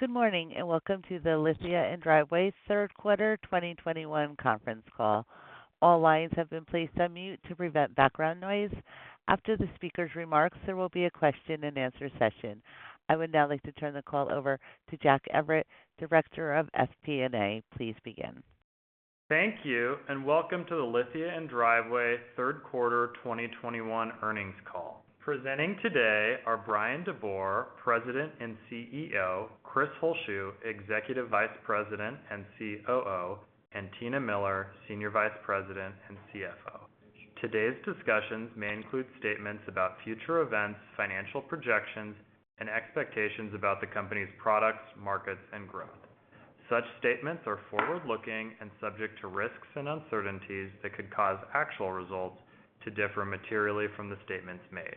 Good morning, welcome to the Lithia & Driveway third quarter 2021 conference call. All lines have been placed on mute to prevent background noise. After the speaker's remarks, there will be a question-and-answer session. I would now like to turn the call over to Jack Evert, Director of FP&A. Please begin. Thank you, and welcome to the Lithia & Driveway third quarter 2021 earnings call. Presenting today are Bryan DeBoer, President and CEO, Chris Holzshu, Executive Vice President and COO, and Tina Miller, Senior Vice President and CFO. Today's discussions may include statements about future events, financial projections, and expectations about the company's products, markets, and growth. Such statements are forward-looking and subject to risks and uncertainties that could cause actual results to differ materially from the statements made.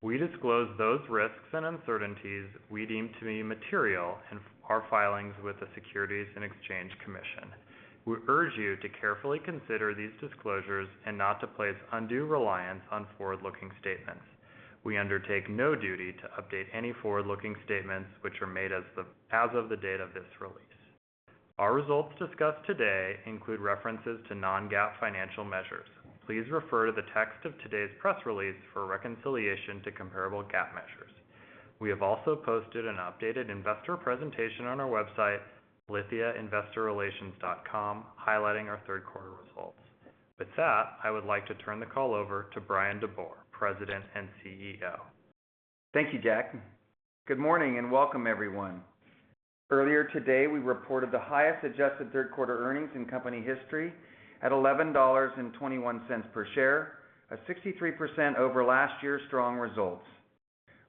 We disclose those risks and uncertainties we deem to be material in our filings with the Securities and Exchange Commission. We urge you to carefully consider these disclosures and not to place undue reliance on forward-looking statements. We undertake no duty to update any forward-looking statements which are made as of the date of this release. Our results discussed today include references to non-GAAP financial measures. Please refer to the text of today's press release for a reconciliation to comparable GAAP measures. We have also posted an updated investor presentation on our website, investors.lithiadriveway.com, highlighting our third quarter results. With that, I would like to turn the call over to Bryan DeBoer, President and CEO. Thank you, Jack. Good morning, and welcome everyone. Earlier today, we reported the highest adjusted third quarter earnings in company history at $11.21 per share, a 63% over last year's strong results.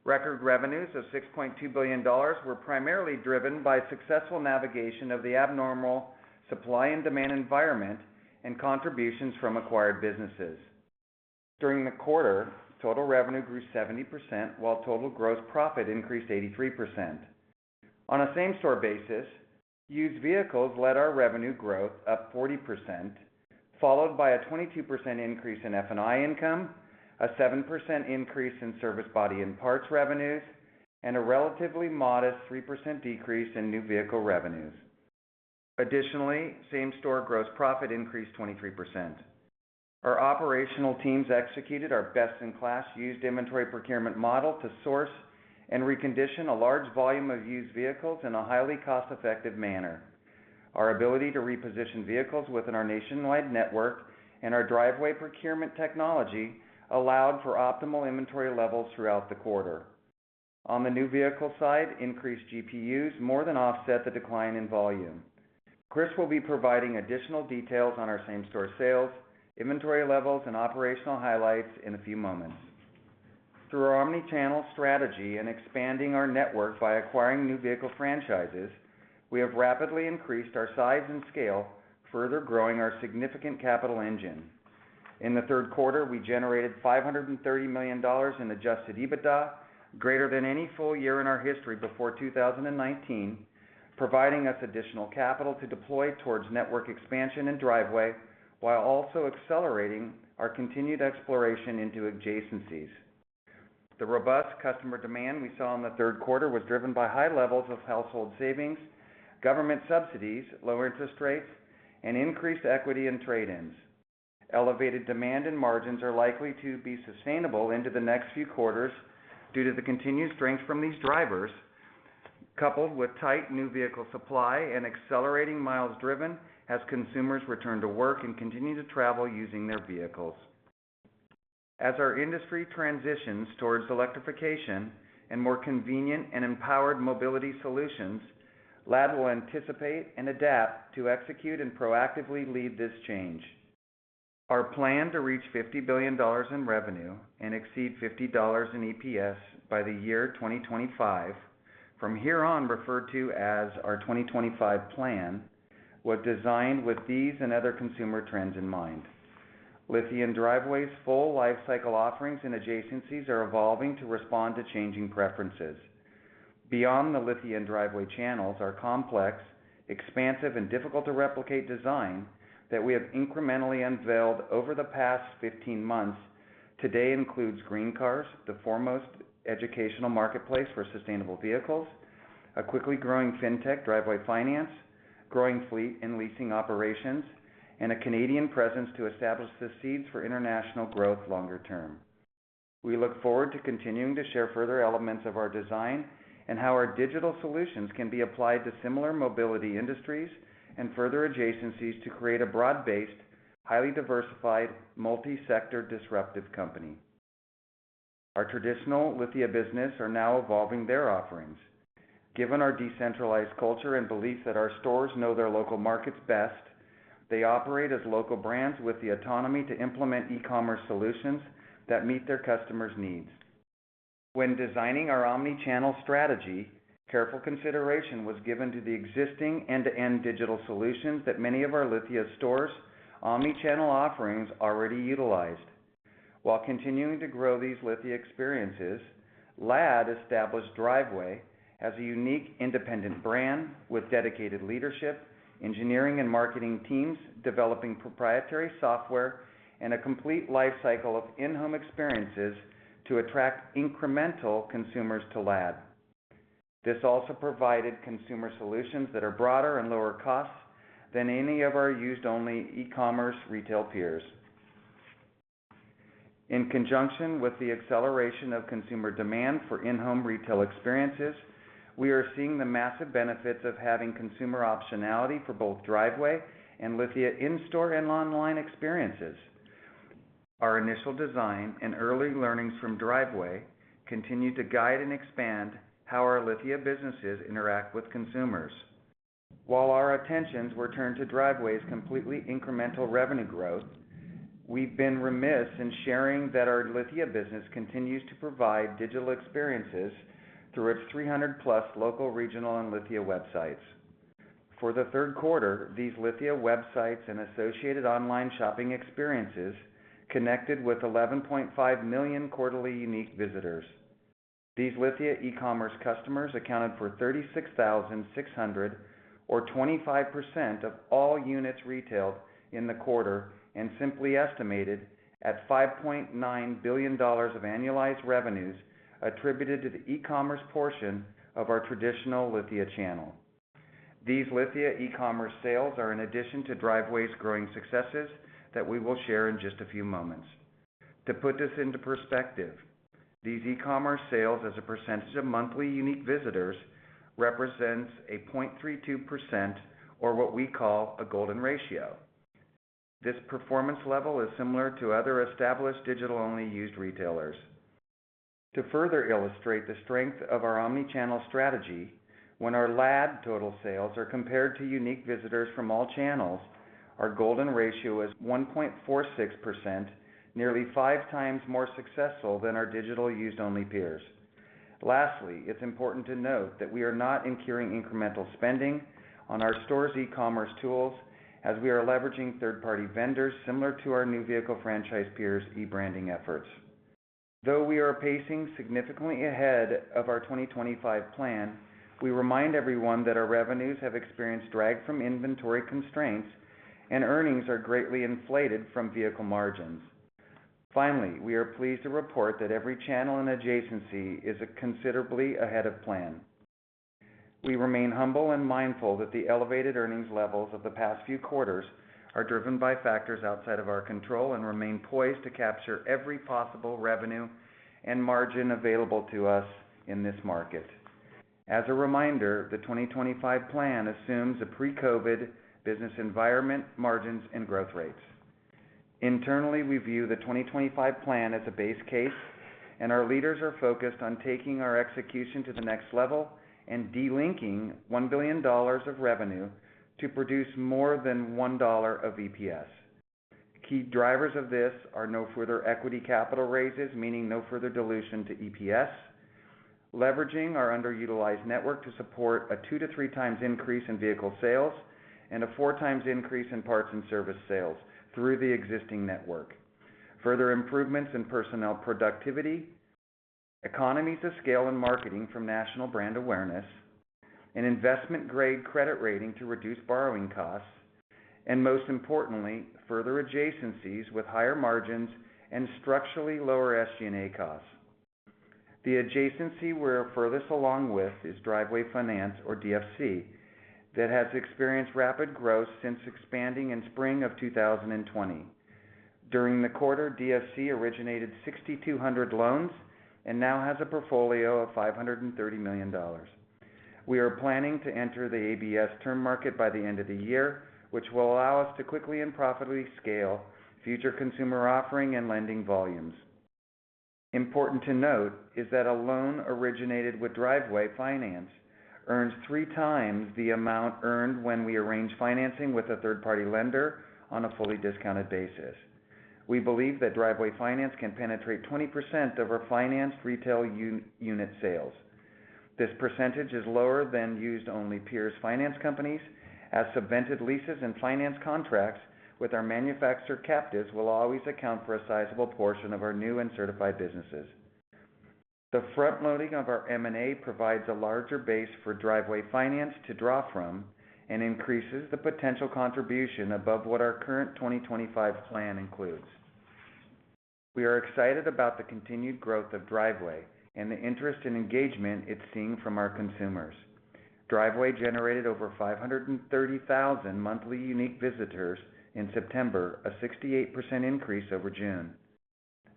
Record revenues of $6.2 billion were primarily driven by successful navigation of the abnormal supply and demand environment and contributions from acquired businesses. During the quarter, total revenue grew 70%, while total gross profit increased 83%. On a same-store basis, used vehicles led our revenue growth up 40%, followed by a 22% increase in F&I income, a 7% increase in service body and parts revenues, and a relatively modest 3% decrease in new vehicle revenues. Additionally, same-store gross profit increased 23%. Our operational teams executed our best-in-class used inventory procurement model to source and recondition a large volume of used vehicles in a highly cost-effective manner. Our ability to reposition vehicles within our nationwide network and our Driveway procurement technology allowed for optimal inventory levels throughout the quarter. On the new vehicle side, increased GPUs more than offset the decline in volume. Chris will be providing additional details on our same-store sales, inventory levels, and operational highlights in a few moments. Through our omnichannel strategy and expanding our network by acquiring new vehicle franchises, we have rapidly increased our size and scale, further growing our significant capital engine. In the third quarter, we generated $530 million in Adjusted EBITDA, greater than any full-year in our history before 2019, providing us additional capital to deploy towards network expansion and Driveway, while also accelerating our continued exploration into adjacencies. The robust customer demand we saw in the third quarter was driven by high levels of household savings, government subsidies, lower interest rates, and increased equity in trade-ins. Elevated demand and margins are likely to be sustainable into the next few quarters due to the continued strength from these drivers, coupled with tight new vehicle supply and accelerating miles driven as consumers return to work and continue to travel using their vehicles. As our industry transitions towards electrification and more convenient and empowered mobility solutions, LAD will anticipate and adapt to execute and proactively lead this change. Our plan to reach $50 billion in revenue and exceed $50 in EPS by the year 2025, from here on referred to as our 2025 Plan, was designed with these and other consumer trends in mind. Lithia & Driveway's full lifecycle offerings and adjacencies are evolving to respond to changing preferences. Beyond the Lithia & Driveway channels, our complex, expansive, and difficult to replicate design that we have incrementally unveiled over the past 15 months today includes GreenCars, the foremost educational marketplace for sustainable vehicles, a quickly growing fintech Driveway Finance, growing fleet and leasing operations, and a Canadian presence to establish the seeds for international growth longer term. We look forward to continuing to share further elements of our design and how our digital solutions can be applied to similar mobility industries and further adjacencies to create a broad-based, highly diversified, multi-sector disruptive company. Our traditional Lithia business are now evolving their offerings. Given our decentralized culture and belief that our stores know their local markets best, they operate as local brands with the autonomy to implement e-commerce solutions that meet their customers' needs. When designing our omnichannel strategy, careful consideration was given to the existing end-to-end digital solutions that many of our Lithia stores' omnichannel offerings already utilized. While continuing to grow these Lithia experiences, LAD established Driveway as a unique independent brand with dedicated leadership, engineering and marketing teams developing proprietary software and a complete life cycle of in-home experiences to attract incremental consumers to LAD. This also provided consumer solutions that are broader and lower-cost than any of our used-only e-commerce retail peers. In conjunction with the acceleration of consumer demand for in-home retail experiences, we are seeing the massive benefits of having consumer optionality for both Driveway and Lithia in-store and online experiences. Our initial design and early learnings from Driveway continue to guide and expand how our Lithia businesses interact with consumers. While our attentions were turned to Driveway's completely incremental revenue growth, we've been remiss in sharing that our Lithia business continues to provide digital experiences through its 300-plus local, regional, and Lithia websites. For the third quarter, these Lithia websites and associated online shopping experiences connected with 11.5 million quarterly unique visitors. These Lithia e-commerce customers accounted for 36,600, or 25% of all units retailed in the quarter, and simply estimated at $5.9 billion of annualized revenues attributed to the e-commerce portion of our traditional Lithia channel. These Lithia e-commerce sales are in addition to Driveway's growing successes that we will share in just a few moments. To put this into perspective, these e-commerce sales as a percentage of monthly unique visitors represents a 0.32% or what we call a golden ratio. This performance level is similar to other established digital-only used retailers. To further illustrate the strength of our omnichannel strategy, when our LAD total sales are compared to unique visitors from all channels, our golden ratio is 1.46%, nearly 5x more successful than our digital used-only peers. Lastly, it's important to note that we are not incurring incremental spending on our store's e-commerce tools as we are leveraging third-party vendors similar to our new vehicle franchise peers' e-branding efforts. Though we are pacing significantly ahead of our 2025 Plan, we remind everyone that our revenues have experienced drag from inventory constraints and earnings are greatly inflated from vehicle margins. Finally, we are pleased to report that every channel and adjacency is considerably ahead of plan. We remain humble and mindful that the elevated earnings levels of the past few quarters are driven by factors outside of our control and remain poised to capture every possible revenue and margin available to us in this market. As a reminder, the 2025 Plan assumes a pre-COVID business environment, margins, and growth rates. Internally, we view the 2025 Plan as a base case, and our leaders are focused on taking our execution to the next level and delinking $1 billion of revenue to produce more than $1 of EPS. Key drivers of this are no further equity capital raises, meaning no further dilution to EPS, leveraging our underutilized network to support a two to three times increase in vehicle sales, and four times increase in parts and service sales through the existing network. Further improvements in personnel productivity, economies of scale in marketing from national brand awareness, an investment-grade credit rating to reduce borrowing costs, and most importantly, further adjacencies with higher margins and structurally lower SG&A costs. The adjacency we're furthest along with is Driveway Finance or DFC that has experienced rapid growth since expanding in spring of 2020. During the quarter, DFC originated 6,200 loans and now has a portfolio of $530 million. We are planning to enter the ABS term market by the end of the year, which will allow us to quickly and profitably scale future consumer offering and lending volumes. Important to note is that a loan originated with Driveway Finance earns three times the amount earned when we arrange financing with a third-party lender on a fully discounted basis. We believe that Driveway Finance can penetrate 20% of our financed retail unit sales. This percentage is lower than used-only peers' finance companies as subvented leases and finance contracts with our manufacturer captives will always account for a sizable portion of our new and certified businesses. The frontloading of our M&A provides a larger base for Driveway Finance to draw from and increases the potential contribution above what our current 2025 Plan includes. We are excited about the continued growth of Driveway and the interest and engagement it's seeing from our consumers. Driveway generated over 530,000 monthly unique visitors in September, a 68% increase over June.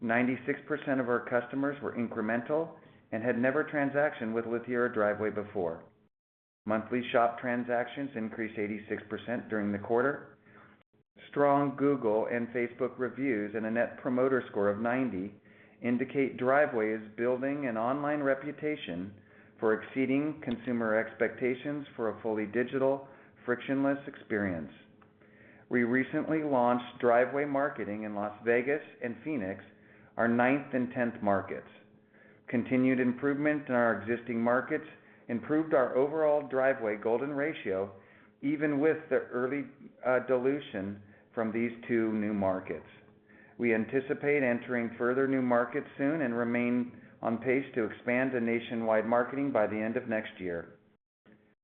96% of our customers were incremental and had never transacted with Lithia or Driveway before. Monthly shop transactions increased 86% during the quarter. Strong Google and Facebook reviews and a Net Promoter Score of 90 indicate Driveway is building an online reputation for exceeding consumer expectations for a fully digital, frictionless experience. We recently launched Driveway marketing in Las Vegas and Phoenix, our 9th and 10th markets. Continued improvement in our existing markets improved our overall Driveway golden ratio, even with the early dilution from these two new markets. We anticipate entering further new markets soon and remain on pace to expand to nationwide marketing by the end of next year.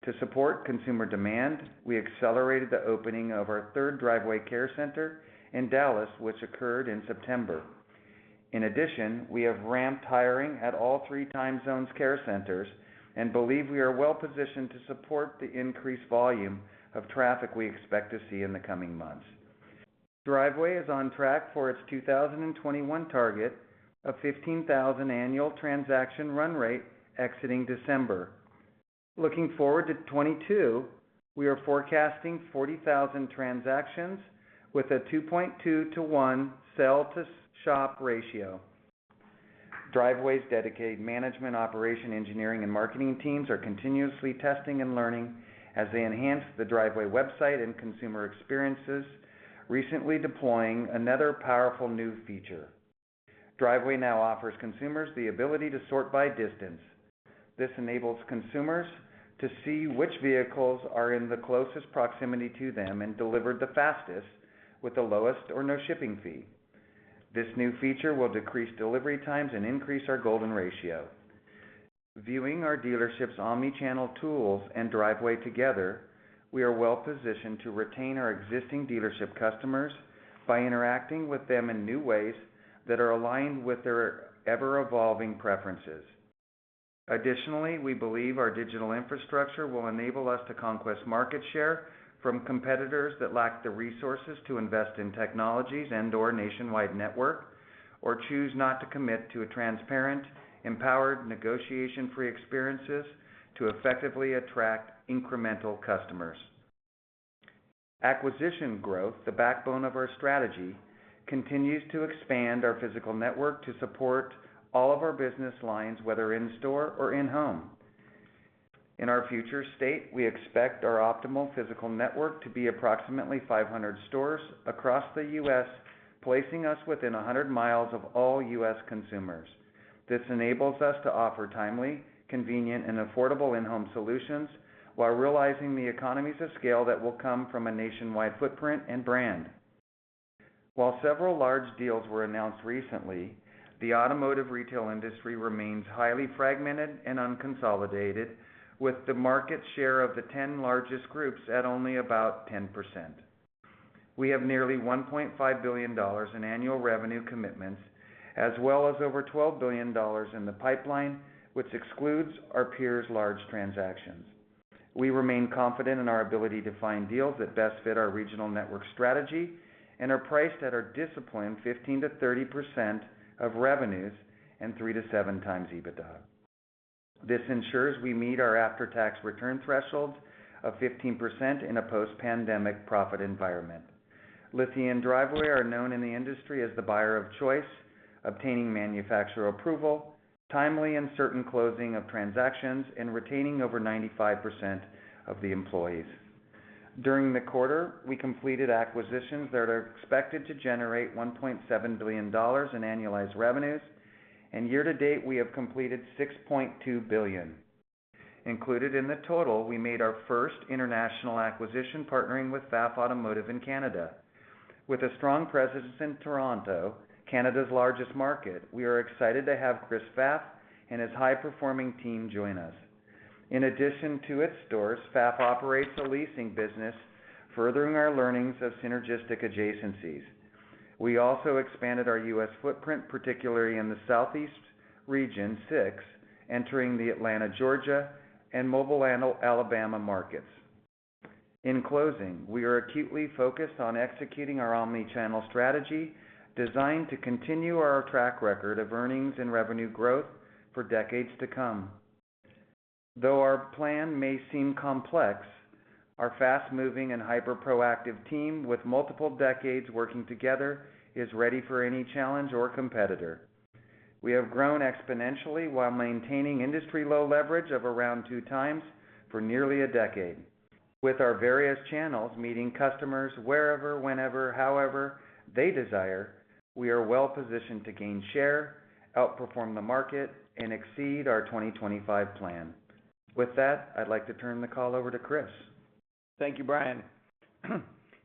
To support consumer demand, we accelerated the opening of our third Driveway care center in Dallas, which occurred in September. In addition, we have ramped hiring at all three time zones' care centers and believe we are well-positioned to support the increased volume of traffic we expect to see in the coming months. Driveway is on track for its 2021 target of 15,000 annual transaction run rate exiting December. Looking forward to 2022, we are forecasting 40,000 transactions with a 2.2 to 1 sell to shop ratio. Driveway's dedicated management operation engineering and marketing teams are continuously testing and learning as they enhance the Driveway website and consumer experiences recently deploying another powerful new feature. Driveway now offers consumers the ability to sort by distance. This enables consumers to see which vehicles are in the closest proximity to them and delivered the fastest with the lowest or no shipping fee. This new feature will decrease delivery times and increase our golden ratio. Viewing our dealership's omnichannel tools and Driveway together, we are well-positioned to retain our existing dealership customers by interacting with them in new ways that are aligned with their ever-evolving preferences. Additionally, we believe our digital infrastructure will enable us to conquest market share from competitors that lack the resources to invest in technologies and or nationwide network or choose not to commit to a transparent, empowered, negotiation-free experiences to effectively attract incremental customers. Acquisition growth, the backbone of our strategy, continues to expand our physical network to support all of our business lines, whether in-store or in-home. In our future state, we expect our optimal physical network to be approximately 500 stores across the U.S., placing us within 100 mi of all U.S. consumers. This enables us to offer timely, convenient and affordable in-home solutions while realizing the economies of scale that will come from a nationwide footprint and brand. While several large deals were announced recently, the automotive retail industry remains highly fragmented and unconsolidated with the market share of the 10 largest groups at only about 10%. We have nearly $1.5 billion in annual revenue commitments, as well as over $12 billion in the pipeline, which excludes our peers large transactions. We remain confident in our ability to find deals that best fit our regional network strategy and are priced at our disciplined 15%-30% of revenues and 3-7 times EBITDA. This ensures we meet our after-tax return threshold of 15% in a post-pandemic profit environment. Lithia & Driveway are known in the industry as the buyer of choice, obtaining manufacturer approval, timely and certain closing of transactions, and retaining over 95% of the employees. During the quarter, we completed acquisitions that are expected to generate $1.7 billion in annualized revenues, and year to date, we have completed $6.2 billion. Included in the total, we made our first international acquisition, partnering with Pfaff Automotive in Canada. With a strong presence in Toronto, Canada's largest market, we are excited to have Chris Pfaff and his high-performing team join us. In addition to its stores, Pfaff operates a leasing business, furthering our learnings of synergistic adjacencies. We also expanded our U.S. footprint, particularly in the Southeast region 6, entering the Atlanta, Georgia, and Mobile, Alabama markets. In closing, we are acutely focused on executing our omnichannel strategy designed to continue our track record of earnings and revenue growth for decades to come. Though our plan may seem complex, our fast-moving and hyper-proactive team with multiple decades working together is ready for any challenge or competitor. We have grown exponentially while maintaining industry-low leverage of around 2 times for nearly a decade. With our various channels meeting customers wherever, whenever, however they desire, we are well-positioned to gain share, outperform the market, and exceed our 2025 Plan. With that, I'd like to turn the call over to Chris. Thank you, Bryan.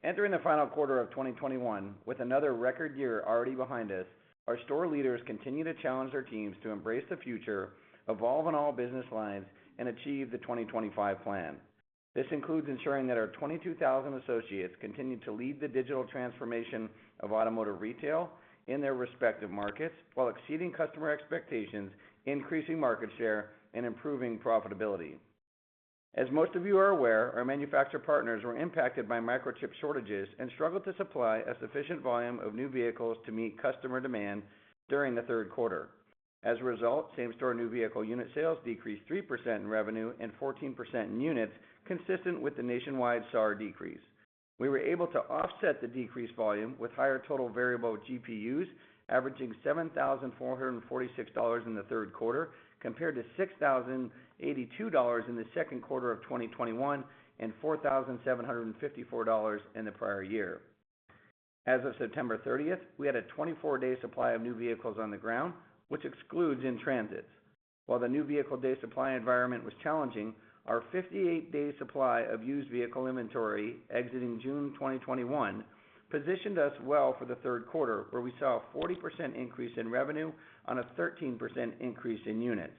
Entering the final quarter of 2021 with another record year already behind us, our store leaders continue to challenge their teams to embrace the future, evolve in all business lines, and achieve the 2025 Plan. This includes ensuring that our 22,000 associates continue to lead the digital transformation of automotive retail in their respective markets while exceeding customer expectations, increasing market share, and improving profitability. As most of you are aware, our manufacturer partners were impacted by microchip shortages and struggled to supply a sufficient volume of new vehicles to meet customer demand during the third quarter. As a result, same-store new vehicle unit sales decreased 3% in revenue and 14% in units, consistent with the nationwide SAAR decrease. We were able to offset the decreased volume with higher total variable GPUs, averaging $7,446 in the third quarter compared to $6,082 in the second quarter of 2021 and $4,754 in the prior year. As of September 30, we had a 24-day supply of new vehicles on the ground, which excludes in-transits. While the new vehicle day supply environment was challenging, our 58-day supply of used vehicle inventory exiting June 2021 positioned us well for the third quarter, where we saw a 40% increase in revenue on a 13% increase in units.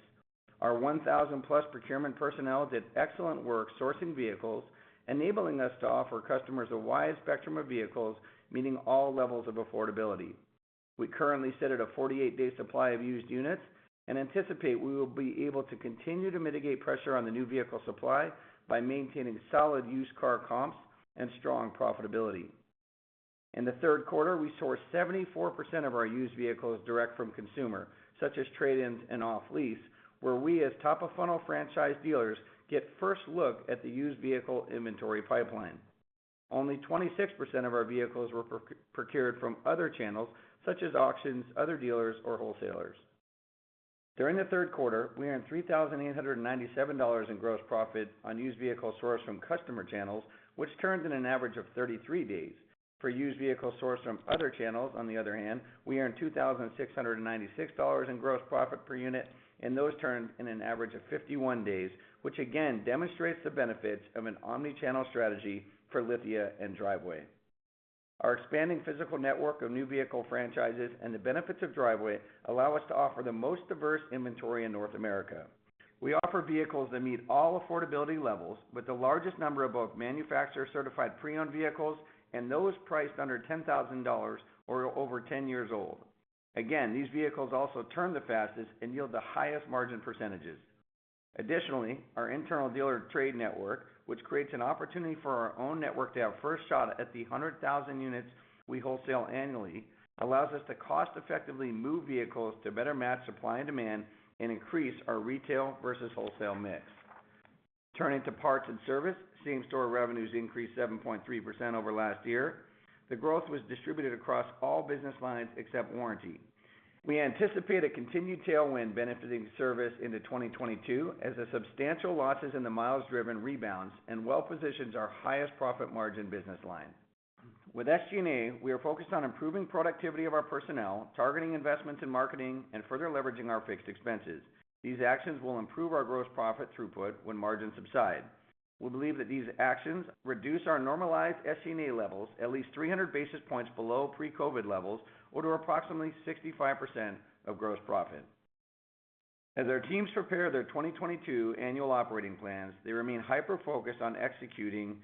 Our 1,000+ procurement personnel did excellent work sourcing vehicles, enabling us to offer customers a wide spectrum of vehicles meeting all levels of affordability. We currently sit at a 48-day supply of used units and anticipate we will be able to continue to mitigate pressure on the new vehicle supply by maintaining solid used car comps and strong profitability. In the third quarter, we sourced 74% of our used vehicles direct from consumers, such as trade-ins and off-lease, where we as top-of-funnel franchise dealers get first look at the used vehicle inventory pipeline. Only 26% of our vehicles were pro-procured from other channels such as auctions, other dealers or wholesalers. During the third quarter, we earned $3,897 in gross profit on used vehicles sourced from customer channels, which turned in an average of 33 days. For used vehicles sourced from other channels, on the other hand, we earned $2,696 in gross profit per unit, and those turned in an average of 51 days, which again demonstrates the benefits of an omnichannel strategy for Lithia & Driveway. Our expanding physical network of new vehicle franchises and the benefits of Driveway allow us to offer the most diverse inventory in North America. We offer vehicles that meet all affordability levels, with the largest number of both manufacturer-certified pre-owned vehicles and those priced under $10,000 or over 10 years old. These vehicles also turn the fastest and yield the highest margin percentage. Additionally, our internal dealer trade network, which creates an opportunity for our own network to have first shot at the 100,000 units we wholesale annually, allows us to cost effectively move vehicles to better match supply and demand and increase our retail versus wholesale mix. Turning to parts and service, same-store revenues increased 7.3% over last year. The growth was distributed across all business lines except warranty. We anticipate a continued tailwind benefiting service into 2022 as the substantial losses in the miles driven rebounds and well positions our highest profit margin business line. With SG&A, we are focused on improving productivity of our personnel, targeting investments in marketing and further leveraging our fixed expenses. These actions will improve our gross profit throughput when margins subside. We believe that these actions reduce our normalized SG&A levels at least 300 basis points below pre-COVID levels or to approximately 65% of gross profit. As our teams prepare their 2022 annual operating plans, they remain hyper-focused on executing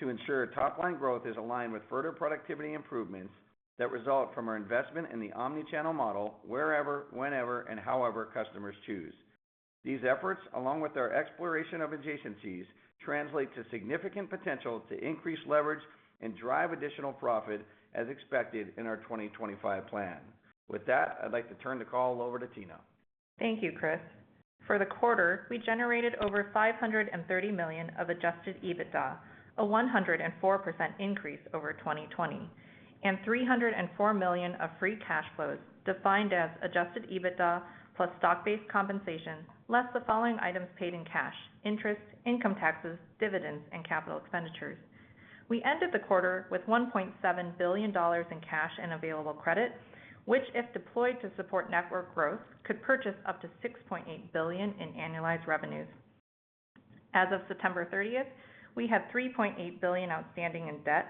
to ensure top-line growth is aligned with further productivity improvements that result from our investment in the omnichannel model, wherever, whenever, and however customers choose. These efforts, along with our exploration of adjacencies, translate to significant potential to increase leverage and drive additional profit as expected in our 2025 Plan. With that, I'd like to turn the call over to Tina. Thank you, Chris. For the quarter, we generated over $530 million of Adjusted EBITDA, a 104% increase over 2020, and $304 million of free cash flows, defined as Adjusted EBITDA plus stock-based compensation, less the following items paid in cash: interest, income taxes, dividends, and CapEx. We ended the quarter with $1.7 billion in cash and available credit, which, if deployed to support network growth, could purchase up to $6.8 billion in annualized revenues. As of September 30th, we have $3.8 billion outstanding in debt,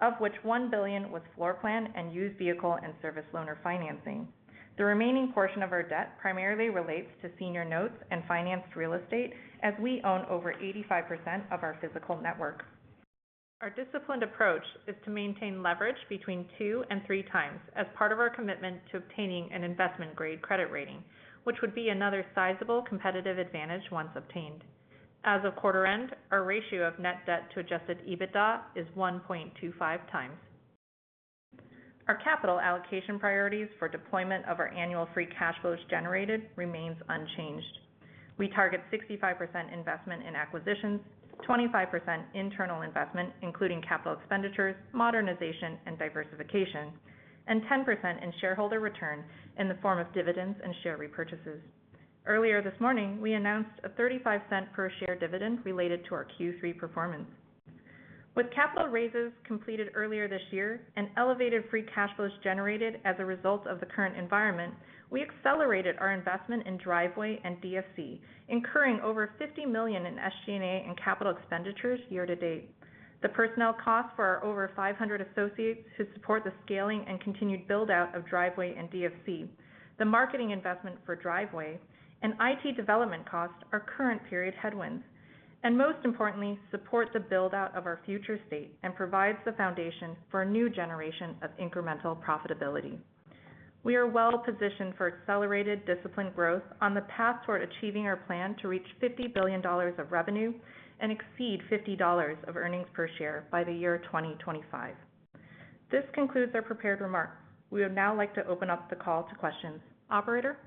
of which $1 billion was floor plan, and used vehicle, and service loaner financing. The remaining portion of our debt primarily relates to senior notes and financed real estate, as we own over 85% of our physical network. Our disciplined approach is to maintain leverage between two and three times as part of our commitment to obtaining an investment-grade credit rating, which would be another sizable competitive advantage once obtained. As of quarter end, our ratio of net debt to Adjusted EBITDA is 1.25 times. Our capital allocation priorities for deployment of our annual free cash flows generated remain unchanged. We target 65% investment in acquisitions, 25% internal investment, including capital expenditures, modernization, and diversification, and 10% in shareholder return in the form of dividends and share repurchases. Earlier this morning, we announced a $0.35 per share dividend related to our Q3 performance. With capital raises completed earlier this year and elevated free cash flows generated as a result of the current environment, we accelerated our investment in Driveway and DFC, incurring over $50 million in SG&A and capital expenditures year-to-date. The personnel costs for our over 500 associates who support the scaling and continued build-out of Driveway and DFC, the marketing investment for Driveway, and IT development costs are current period headwinds, and most importantly, support the build-out of our future state and provide the foundation for a new generation of incremental profitability. We are well-positioned for accelerated disciplined growth on the path toward achieving our plan to reach $50 billion of revenue and exceed $50 of earnings per share by the year 2025. This concludes our prepared remarks. We would now like to open up the call to questions. Operator?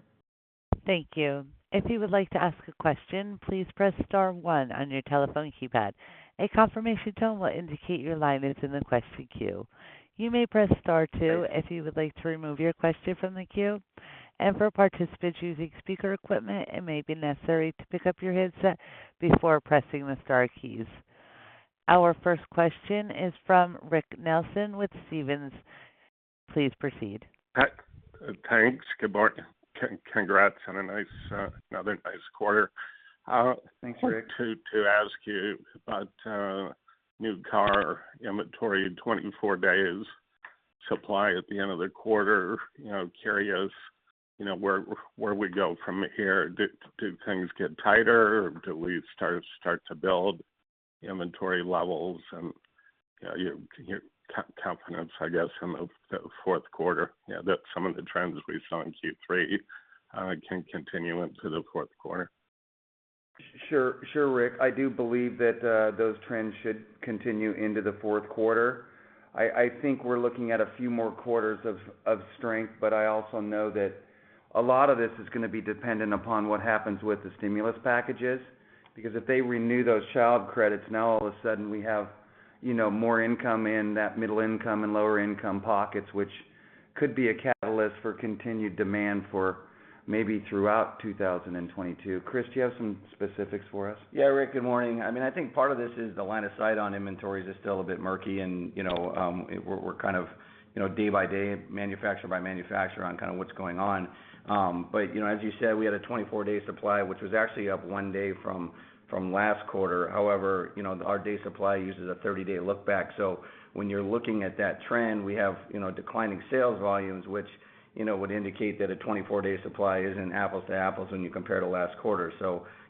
Thank you. If you would like to ask a question, please press star one on your telephone keypad. A confirmation tone will indicate your line is in the question queue. You may press star two if you would like to remove your question from the queue. For participants using speaker equipment, it may be necessary to pick up your headset before pressing the star keys. Our first question is from Rick Nelson with Stephens. Please proceed. Hi. Thanks. Good morning. Congrats on a nice, another nice quarter. Thank you Wanted to ask you about new car inventory in 24 days supply at the end of the quarter, you know, carry us, you know, where we go from here. Do things get tighter or do we start to build inventory levels? Your confidence, I guess, in the fourth quarter, you know, that some of the trends we saw in Q3 can continue into the fourth quarter? Sure. Sure, Rick. I do believe that those trends should continue into the fourth quarter. I think we're looking at a few more quarters of strength, but I also know that a lot of this is gonna be dependent upon what happens with the stimulus packages. Because if they renew those child credits, now all of a sudden we have, you know, more income in that middle income and lower-income pockets, which could be a catalyst for continued demand for maybe throughout 2022. Chris, do you have some specifics for us? Yeah, Rick, good morning. I mean, I think part of this is the line of sight on inventories is still a bit murky, and, you know, we're kind of, you know, day by day, manufacturer by manufacturer, on kind of what's going on. You know, as you said, we had a 24-day supply, which was actually up one day from last quarter. However, you know, our day supply uses a 30-day look back. When you're looking at that trend, we have, you know, declining sales volumes, which, you know, would indicate that a 24-day supply isn't apples to apples when you compare to last quarter.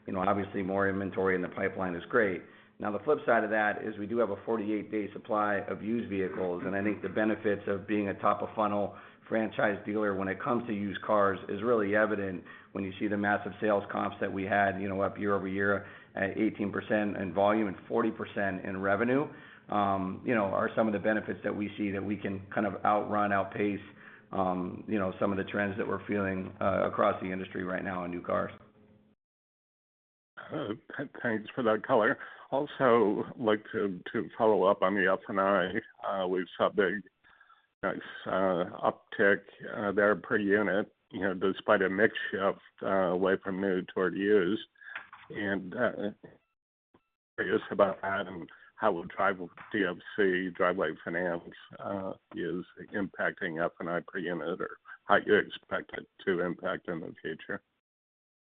You know, obviously, more inventory in the pipeline is great. The flip side of that is we do have a 48-day supply of used vehicles, and I think the benefits of being a top-of-funnel franchise dealer when it comes to used cars is really evident when you see the massive sales comps that we had, you know, up year-over-year at 18% in volume and 40% in revenue, you know, are some of the benefits that we see that we can kind of outrun, outpace, you know, some of the trends that we're feeling across the industry right now in new cars. Thanks for that color. Also like to follow up on the F&I. We've saw big, nice uptick there per unit, you know, despite a mix shift away from new toward used. Curious about that and how will Drive DFC, Driveway Finance is impacting F&I per unit or how you expect it to impact in the future?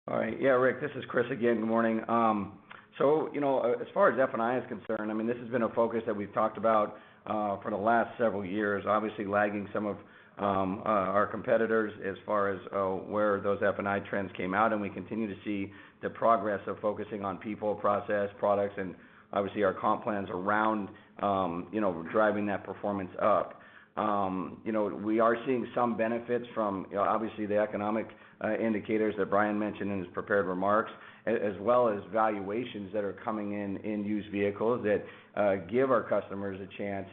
All right. Yeah, Rick, this is Chris again. Good morning. You know, as far as F&I is concerned, I mean, this has been a focus that we've talked about for the last several years, obviously lagging some of our competitors as far as where those F&I trends came out. We continue to see the progress of focusing on people, process, products, and obviously our comp plans around you know, driving that performance up. You know, we are seeing some benefits from you know, obviously the economic indicators that Bryan mentioned in his prepared remarks as well as valuations that are coming in in used vehicles that give our customers a chance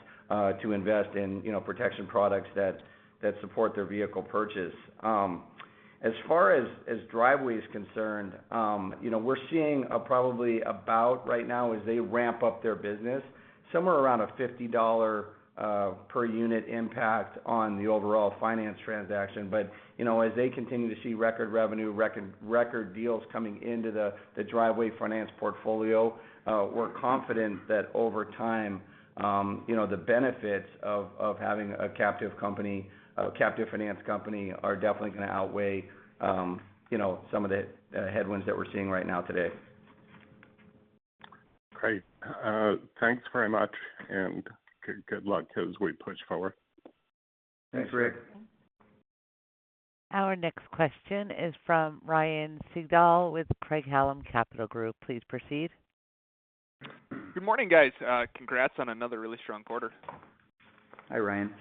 to invest in you know, protection products that support their vehicle purchase. As far as Driveway is concerned, you know, we're seeing probably about right now as they ramp up their business, somewhere around a $50 per unit impact on the overall finance transaction. You know, as they continue to see record revenue, record deals coming into the Driveway Finance portfolio, we're confident that over time, you know, the benefits of having a captive company, a captive finance company, are definitely gonna outweigh, you know, some of the headwinds that we're seeing right now today. Great. Thanks very much, and good luck as we push forward. Thanks, Rick. Thanks. Our next question is from Ryan Sigdahl with Craig-Hallum Capital Group. Please proceed. Good morning, guys. Congrats on another really strong quarter. Hi, Ryan.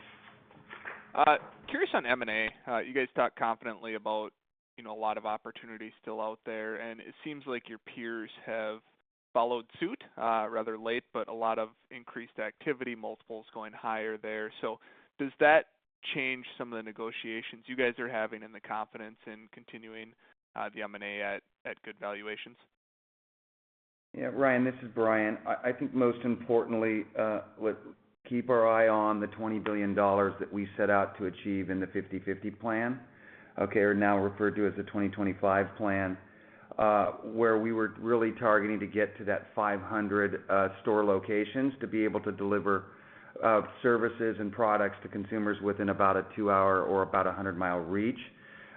Curious about M&A. You guys talk confidently about, you know, a lot of opportunities still out there, and it seems like your peers have followed suit, rather late, but a lot of increased activity, multiples going higher there. Does that change some of the negotiations you guys are having and the confidence in continuing the M&A at good valuations? Yeah, Ryan, this is Bryan. I think most importantly, let's keep our eye on the $20 billion that we set out to achieve in the 50/50 plan, okay? Now referred to as the 2025 Plan, where we were really targeting to get to that 500 store locations to be able to deliver services and products to consumers within about a two-hour or about 100 mi reach.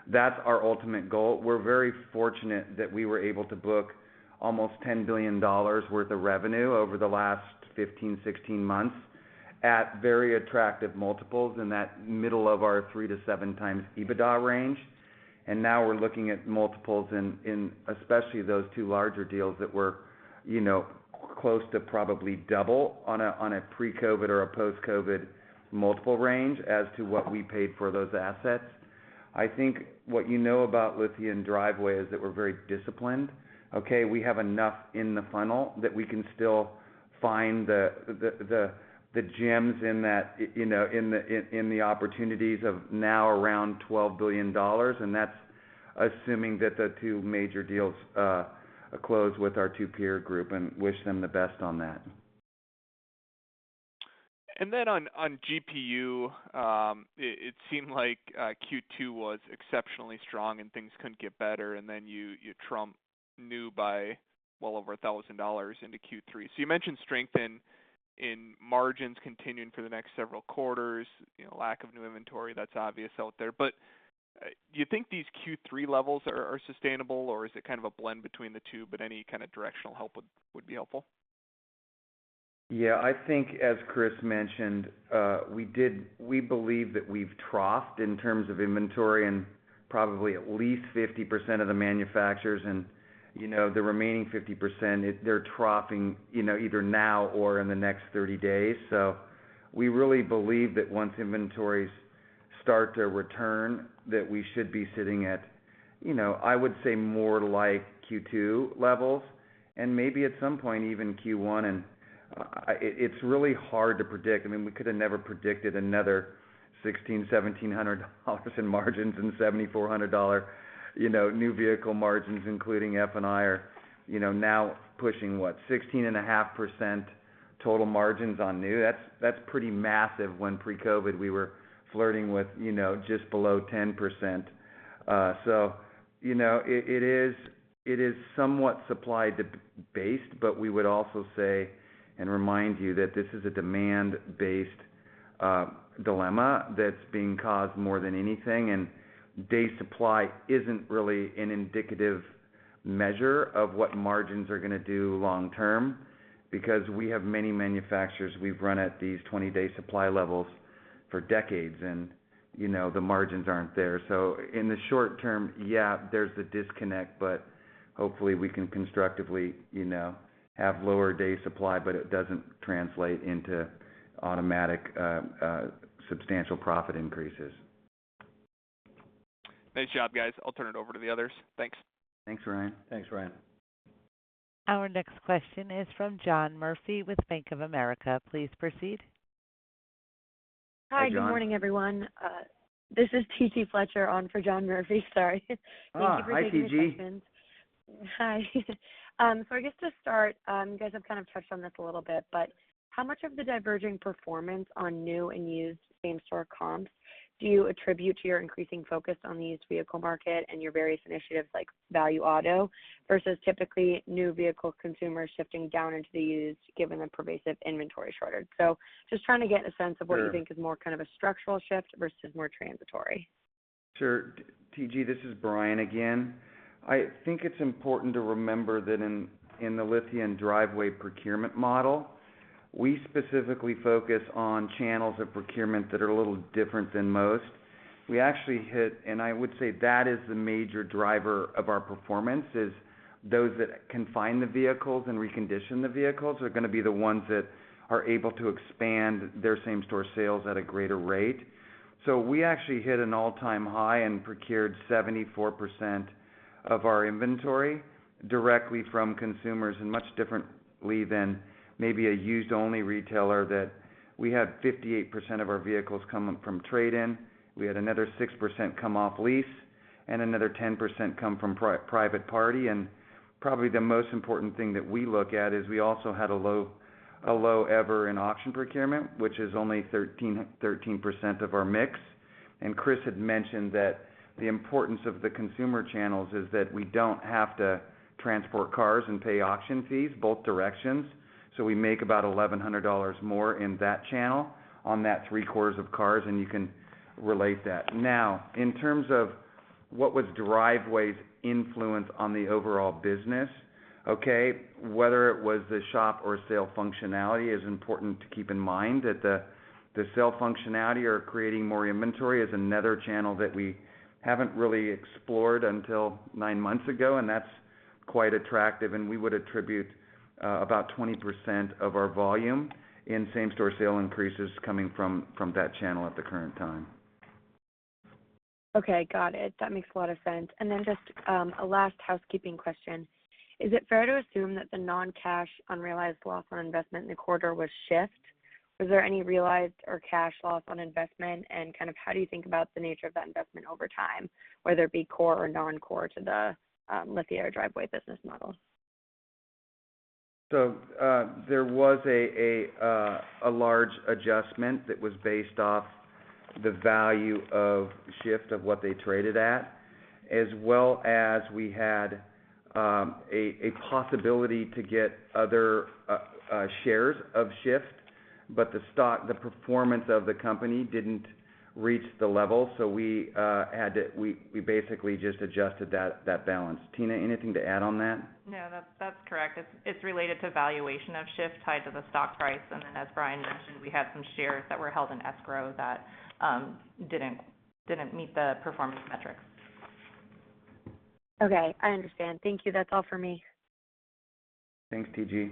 That's our ultimate goal. We're very fortunate that we were able to book almost $10 billion worth of revenue over the last 15, 16 months at very attractive multiples in that middle of our 3-7 times EBITDA range. Now we're looking at multiples in especially those two larger deals that were, you know, close to probably double on a pre-COVID or a post-COVID multiple range as to what we paid for those assets. I think what you know about Lithia & Driveway is that we're very disciplined, okay? We have enough in the funnel that we can still find the gems in that, you know, in the opportunities of now around $12 billion, and that's assuming that the two major deals close with our two-peer group and wish them the best on that. Then on GPU, it seemed like Q2 was exceptionally strong and things couldn't get better, then you trump new by well over $1,000 into Q3. You mentioned strength in margins continuing for the next several quarters, you know, lack of new inventory, that's obvious out there. Do you think these Q3 levels are sustainable, or is it kind of a blend between the two? Any kind of directional help would be helpful. I think as Chris mentioned, we believe that we've troughed in terms of inventory and probably at least 50% of the manufacturers, and you know, the remaining 50%, they're troughing, you know, either now or in the next 30 days. We really believe that once inventories start to return, that we should be sitting at, you know, I would say more like Q2 levels and maybe at some point even Q1. It's really hard to predict. I mean, we could have never predicted another $1,600-$1,700 in margins and $7,400, you know, new vehicle margins, including F&I are, you know, now pushing, what, 16.5% total margins on new. That's pretty massive when pre-COVID we were flirting with, you know, just below 10%. You know, it is, it is somewhat supply-based, but we would also say and remind you that this is a demand-based dilemma that's being caused more than anything. Day supply isn't really an indicative measure of what margins are gonna do long term because we have many manufacturers we've run at these 20-day supply levels for decades, and you know, the margins aren't there. in the short term, yeah, there's the disconnect, but hopefully we can constructively, you know, have lower day supply, but it doesn't translate into automatic substantial profit increases. Nice job, guys. I'll turn it over to the others. Thanks. Thanks, Ryan. Thanks, Ryan. Our next question is from John Murphy with Bank of America. Please proceed. Hi, John. Hi, good morning, everyone. This is TT Fletcher on for John Murphy. Sorry. Hi, TT. Thank you for taking my questions. Hi. I guess to start, you guys have kind of touched on this a little bit, but how much of the diverging performance on new and used same-store comps do you attribute to your increasing focus on the used vehicle market and your various initiatives like Value Auto versus typically new vehicle consumers shifting down into the used given the pervasive inventory shortage? Sure. You think is more kind of a structural shift versus more transitory? Sure. TT, this is Bryan again. I think it's important to remember that in the Lithia & Driveway procurement model, we specifically focus on channels of procurement that are a little different than most. We actually hit I would say that is the major driver of our performance is those that can find the vehicles and recondition the vehicles are gonna be the ones that are able to expand their same-store sales at a greater rate. We actually hit an all-time high and procured 74% of our inventory directly from consumers, and much differently than maybe a used-only retailer that we had 58% of our vehicles coming from trade-in. We had another 6% come off lease, and another 10% come from a private party. Probably the most important thing that we look at is we also had a low ever in auction procurement, which is only 13% of our mix. Chris had mentioned that the importance of the consumer channels is that we don't have to transport cars and pay auction fees both directions. We make about $1,100 more in that channel on that three-quarters of cars, and you can relate that. Now, in terms of what was Driveway's influence on the overall business. Okay, whether it was the shop or sell functionality is important to keep in mind that the sell functionality or creating more inventory is another channel that we haven't really explored until nine months ago. That's quite attractive. We would attribute about 20% of our volume in same-store sale increases coming from that channel at the current time. Okay. Got it. That makes a lot of sense. Then just a last housekeeping question. Is it fair to assume that the non-cash unrealized loss on investment in the quarter was Shift? Was there any realized or cash loss on investment? How do you think about the nature of that investment over time, whether it be core or non-core to the Lithia & Driveway business model? There was a large adjustment that was based off the value of Shift of what they traded at, as well as we had a possibility to get other shares of Shift. The stock, the performance of the company didn't reach the level. We basically just adjusted that balance. Tina, anything to add on that? No, that's correct. It's related to valuation of Shift tied to the stock price. As Bryan mentioned, we had some shares that were held in escrow that didn't meet the performance metrics. Okay, I understand. Thank you. That's all for me. Thanks, TT.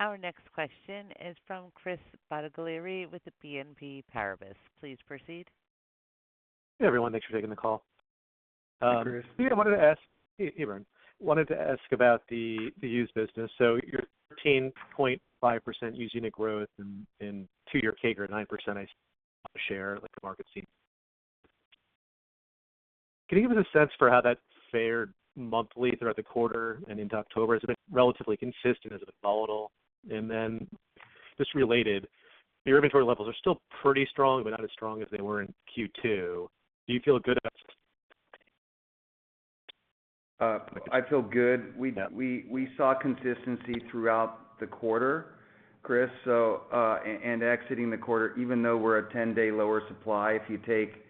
Our next question is from Chris Bottiglieri with the BNP Paribas. Please proceed. Hey, everyone. Thanks for taking the call. Hi, Chris. Yeah, I wanted to ask, Hey, Bryan. I wanted to ask about the used business. Your 13.5% used unit growth and two-year CAGR at 9%, I see like the market seen. Can you give us a sense for how that fared monthly throughout the quarter and into October? Has it been relatively consistent? Has it been volatile? Just related, your inventory levels are still pretty strong, but not as strong as they were in Q2. Do you feel good about- I feel good. Yeah We saw consistency throughout the quarter, Chris. And exiting the quarter, even though we're a 10-day lower supply, if you take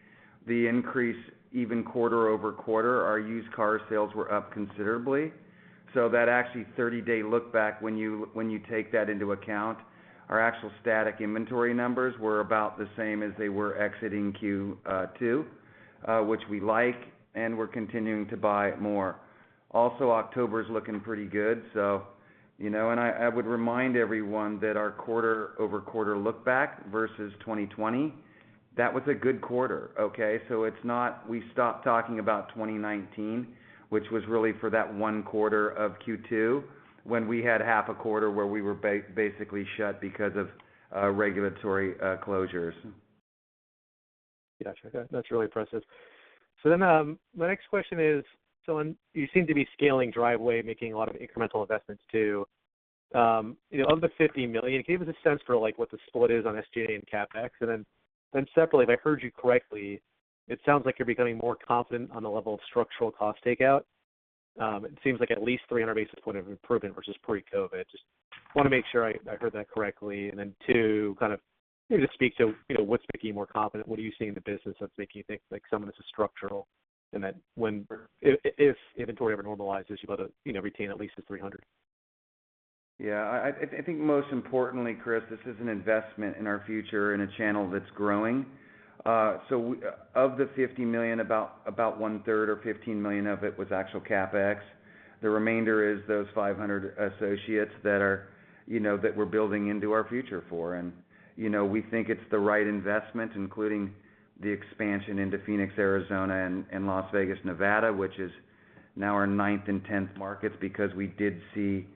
the increase even quarter-over-quarter, our used car sales were up considerably. That actually 30-day look back, when you take that into account, our actual static inventory numbers were about the same as they were exiting Q2, which we like, and we're continuing to buy more. October's looking pretty good. You know, I would remind everyone that our quarter-over-quarter look back versus 2020, that was a good quarter. It's not we stopped talking about 2019, which was really for that one quarter of Q2 when we had half a quarter where we were basically shut because of regulatory closures. Gotcha. That's really impressive. My next question is, when you seem to be scaling Driveway, making a lot of incremental investments too, you know, of the $50 million, can you give us a sense for, like, what the split is on SG&A and CapEx? Separately, if I heard you correctly, it sounds like you're becoming more confident in the level of structural cost takeout. It seems like at least 300 basis points of improvement versus pre-COVID. Just want to make sure I heard that correctly. Two, kind of maybe just speak to, you know, what's making you more confident. What are you seeing in the business that's making you think like some of this is structural and that when or if inventory ever normalizes, you'd rather, you know, retain at least the 300. I think most importantly, Chris, this is an investment in our future in a channel that's growing. Of the $50 million, about one-third or $15 million of it was actual CapEx. The remainder is those 500 associates that are, you know, that we're building into our future for. You know, we think it's the right investment, including the expansion into Phoenix, Arizona, and Las Vegas, Nevada, which is now our 9th and 10th markets because we did see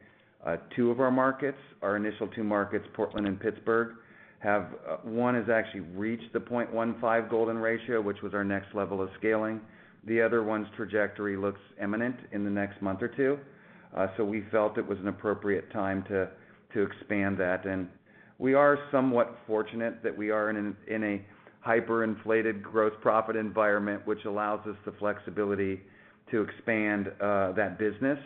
two of our markets. Our initial two markets, Portland and Pittsburgh, have one has actually reached the 0.15 golden ratio, which was our next level of scaling. The other one's trajectory looks eminent in the next month or two. We felt it was an appropriate time to expand that. We are somewhat fortunate that we are in a hyperinflated gross profit environment, which allows us the flexibility to expand that business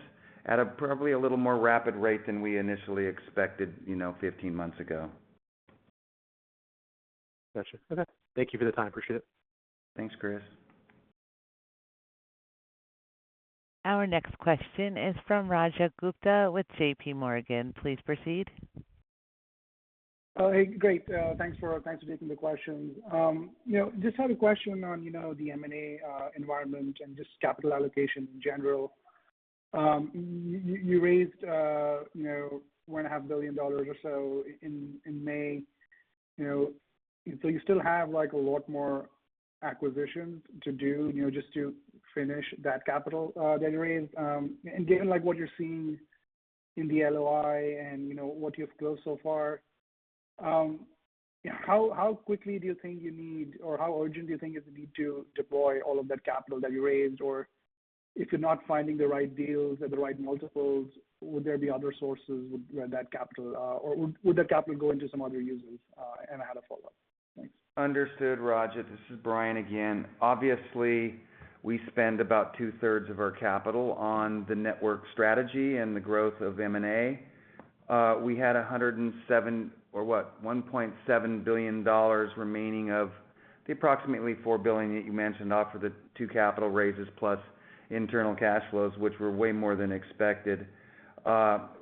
at a probably a little more rapid rate than we initially expected, you know, 15 months ago. Gotcha. Okay. Thank you for the time. Appreciate it. Thanks, Chris. Our next question is from Rajat Gupta with JPMorgan. Please proceed. Oh, hey, great. Thanks for taking the questions. You know, just had a question on, you know, the M&A environment and just capital allocation in general. You raised, you know, $1.5 billion or so in May, you know. You still have a lot more acquisitions to do, you know, just to finish that capital that you raised. Given what you're seeing in the LOI, and you know, what you've closed so far, how quickly do you think you need or how urgent do you think is the need to deploy all of that capital that you raised? If you're not finding the right deals at the right multiples, would there be other sources where that capital or would that capital go into some other uses? I had a follow-up. Thanks. Understood, Rajat. This is Bryan DeBoer again. Obviously, we spend about two-thirds of our capital on the network strategy and the growth of M&A. We had 107 or what, $1.7 billion remaining of the approximately $4 billion that you mentioned, off of the two capital raises plus internal cash flows, which were way more than expected.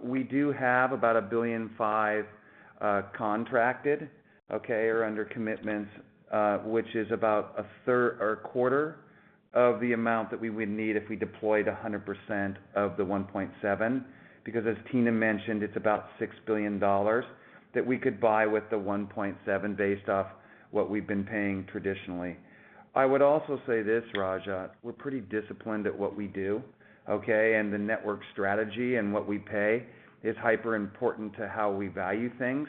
We do have about $1.5 billion contracted, okay, or under commitments, which is about a third or a quarter of the amount that we would need if we deployed 100% of the $1.7 billion. As Tina Miller mentioned, it's about $6 billion that we could buy with the $1.7 billion based off what we've been paying traditionally. I would also say this, Rajat, we're pretty disciplined at what we do, okay? The network strategy and what we pay is hyper important to how we value things.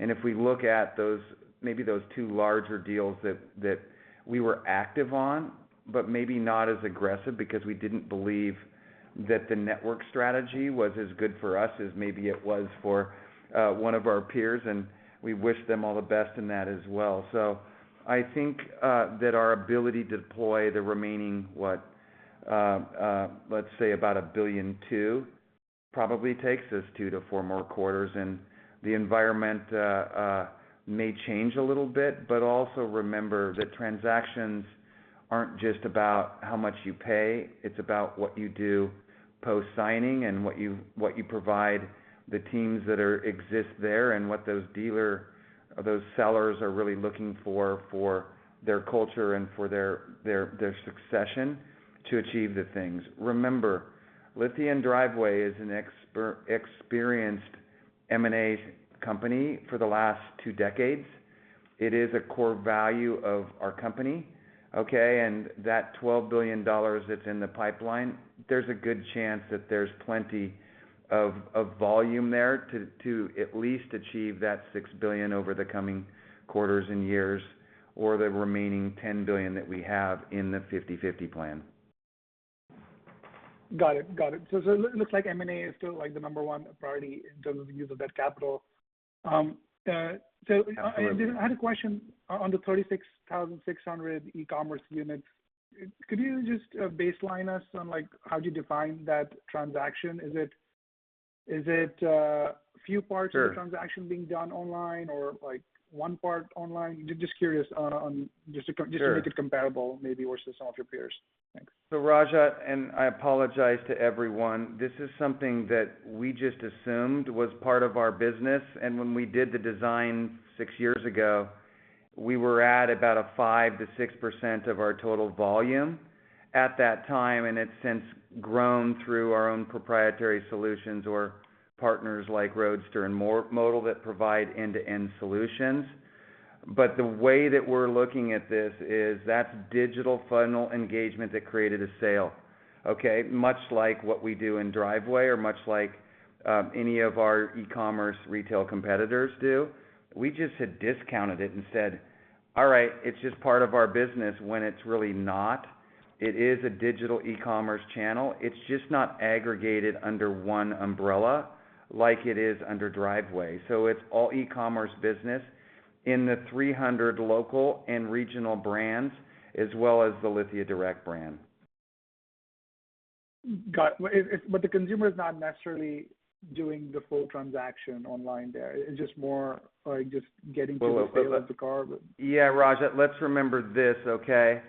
If we look at those, maybe those two larger deals that we were active on but maybe not as aggressive because we didn't believe that the network strategy was as good for us as maybe it was for one of our peers, and we wish them all the best in that as well. I think that our ability to deploy the remaining what, let's say about $1.2 billion, probably takes us two to four more quarters. The environment may change a little bit but also remember that transactions aren't just about how much you pay, it's about what you provide the teams that exist there and what those dealers or those sellers are really looking for their culture and for their succession to achieve the things. Remember, Lithia & Driveway has been an experienced M&A company for the last two decades. It is a core value of our company, okay. That $12 billion that's in the pipeline; there's a good chance that there's plenty of volume there to at least achieve that $6 billion over the coming quarters and years or the remaining $10 billion that we have in the 50/50 plan. Got it. It looks like M&A is still like the number one priority in terms of the use of that capital. Absolutely. I had a question on the 36,600 e-commerce units. Could you just baseline us on like how do you define that transaction? Sure. Of the transaction being done online or, like, one part online? Sure Just to make it comparable maybe versus some of your peers. Thanks. Rajat, and I apologize to everyone, this is something that we just assumed was part of our business. When we did the design six years ago, we were at about a 5%-6% of our total volume at that time, and it's since grown through our own proprietary solutions or partners like Roadster, a model that provide end-to-end solutions. The way that we're looking at this is that's digital funnel engagement that created a sale, okay? Much like what we do in Driveway or much like any of our e-commerce retail competitors do. We just had discounted it and said, all right, it's just part of our business, when it's really not. It is a digital e-commerce channel. It's just not aggregated under one umbrella like it is under Driveway. It's all e-commerce business in the 300 local and regional brands as well as the Lithia direct brand. Got it. The consumer is not necessarily doing the full transaction online there. Well, wait. The sale of the car. Rajat, let's remember this, okay.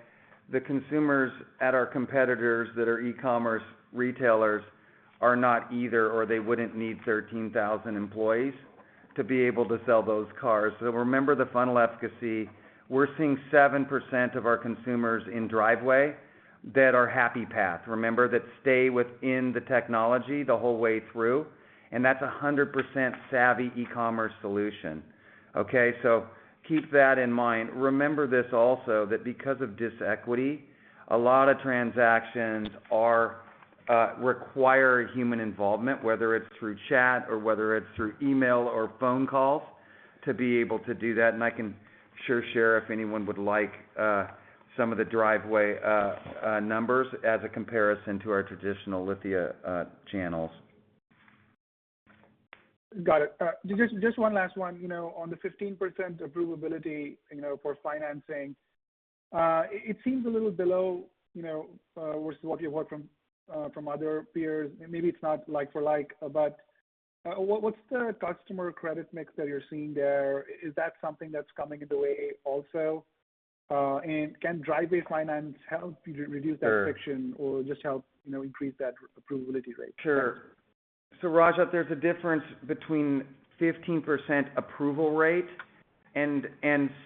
The consumers at our competitors that are e-commerce retailers are not either or they wouldn't need 13,000 employees to be able to sell those cars. Remember the funnel efficacy. We're seeing 7% of our consumers in Driveway that are happy path. Remember, that stay within the technology the whole way through, and that's a 100% savvy e-commerce solution, okay. Keep that in mind. Remember this also, that because of this equity, a lot of transactions require human involvement, whether it's through chat, or whether it's through email, or phone calls, to be able to do that. I can sure share if anyone would like some of the Driveway numbers as a comparison to our traditional Lithia channels. Got it. Just one last one, you know, on the 15% approvability, you know, for financing. It seems a little below, you know, versus what you heard from other peers. Maybe it's not like for like, but what's the customer credit mix that you're seeing there? Is that something that's coming in the way also? Can Driveway Finance help you to reduce that? Sure Friction or just help, you know, increase that approvability rate? Sure. Rajat, there's a difference between 15% approval rate and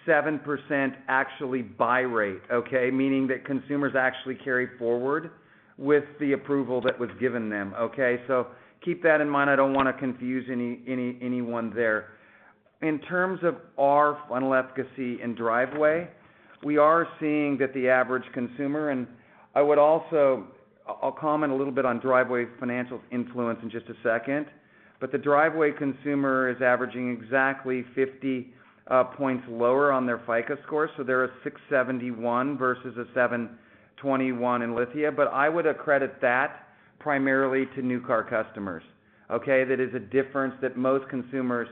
7% actually buy rate, okay? Meaning that consumers actually carry forward with the approval that was given them, okay? Keep that in mind. I don't want to confuse any anyone there. In terms of our funnel efficacy in Driveway, we are seeing that the average consumer, and I would also comment a little bit on Driveway Finance Corporation's influence in just a second. The Driveway consumer is averaging exactly 50 points lower on their FICO score. They're at 671 versus a 721 in Lithia. I would accredit that primarily to new car customers, okay? That is a difference that most consumers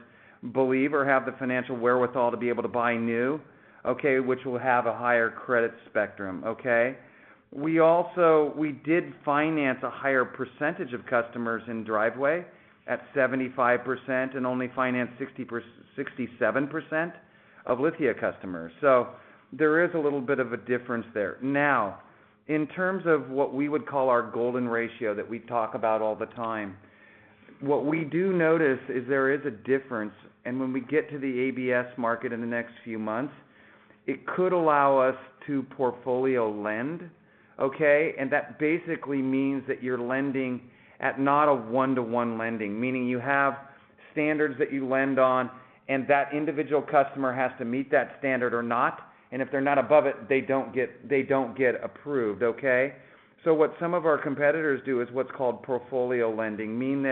believe or have the financial wherewithal to be able to buy new, okay? Which will have a higher credit spectrum, okay? We did finance a higher percentage of customers in Driveway at 75%, and only financed 67% of Lithia customers. There is a little bit of a difference there. Now, in terms of what we would call our golden ratio that we talk about all the time, what we do notice is there is a difference. When we get to the ABS market in the next few months, it could allow us to portfolio lend, okay? That basically means that you're lending at not a one-to-one lending. Meaning you have standards that you lend on, and that individual customer has to meet that standard or not. If they're not above it, they don't get approved, okay? What some of our competitors do is what's called portfolio lending. Meaning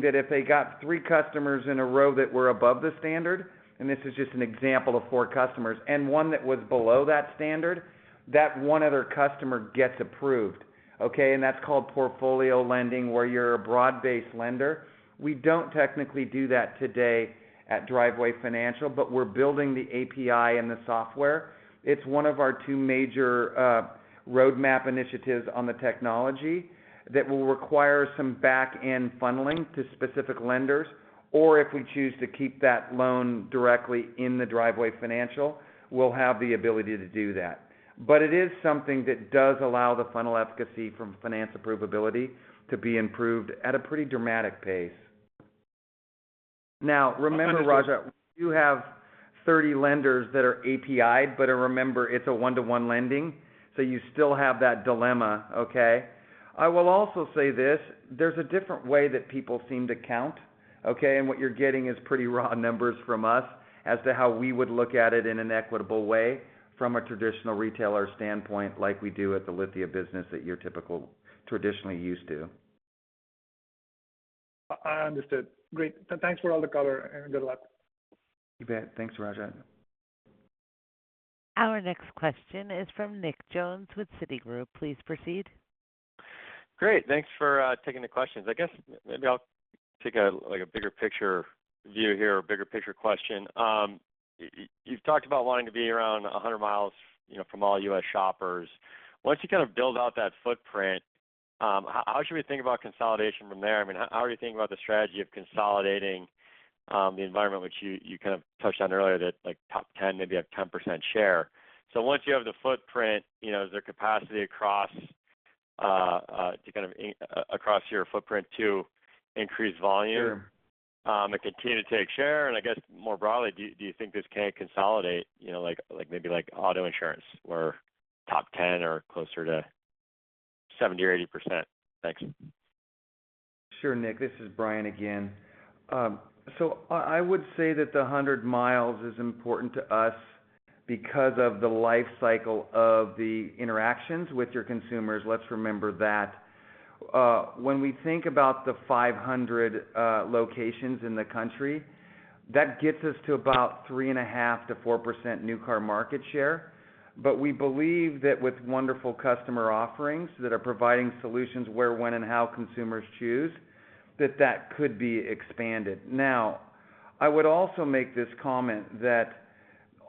that if they got three customers in a row that were above the standard, and this is just an example of four customers, and one that was below that standard, that one other customer gets approved, okay? That's called portfolio lending, where you're a broad-based lender. We don't technically do that today at Driveway Financial, but we're building the API and the software. It's one of our two major roadmap initiatives on the technology that will require some back-end funneling to specific lenders. If we choose to keep that loan directly in the Driveway Financial, we'll have the ability to do that. It is something that does allow the funnel efficacy from finance approvability to be improved at a pretty dramatic pace. Remember, Rajat, you have 30 lenders that are API, but remember, it's a one-to-one lending, so you still have that dilemma, okay? I will also say this, there's a different way that people seem to count, okay? What you're getting is pretty raw numbers from us as to how we would look at it in an equitable way from a traditional retailer standpoint like we do at the Lithia business that you're traditionally used to. I understood. Great. Thanks for all the color and good luck. You bet. Thanks, Rajat. Our next question is from Nick Jones with Citigroup. Please proceed. Great. Thanks for taking the questions. I guess maybe I'll take a like a bigger picture view here or bigger picture question. You've talked about wanting to be around 100 mi, you know, from all U.S. shoppers. Once you kind of build out that footprint, how should we think about consolidation from there? I mean, how are you thinking about the strategy of consolidating the environment which you kind of touched on earlier that like top 10 maybe have 10% share. Once you have the footprint, you know, is there capacity across your footprint to increase volume? Sure. Continue to take share? I guess more broadly, do you think this can consolidate, you know, like maybe like auto insurance where top 10 are closer to 70% or 80%? Thanks. Sure, Nick. This is Bryan again. I would say that the 100 mi is important to us because of the life cycle of the interactions with your consumers. Let's remember that. When we think about the 500 locations in the country, that gets us to about 3.5%-4% new car market share. We believe that with wonderful customer offerings that are providing solutions where, when, and how consumers choose, that that could be expanded. Now, I would also make this comment that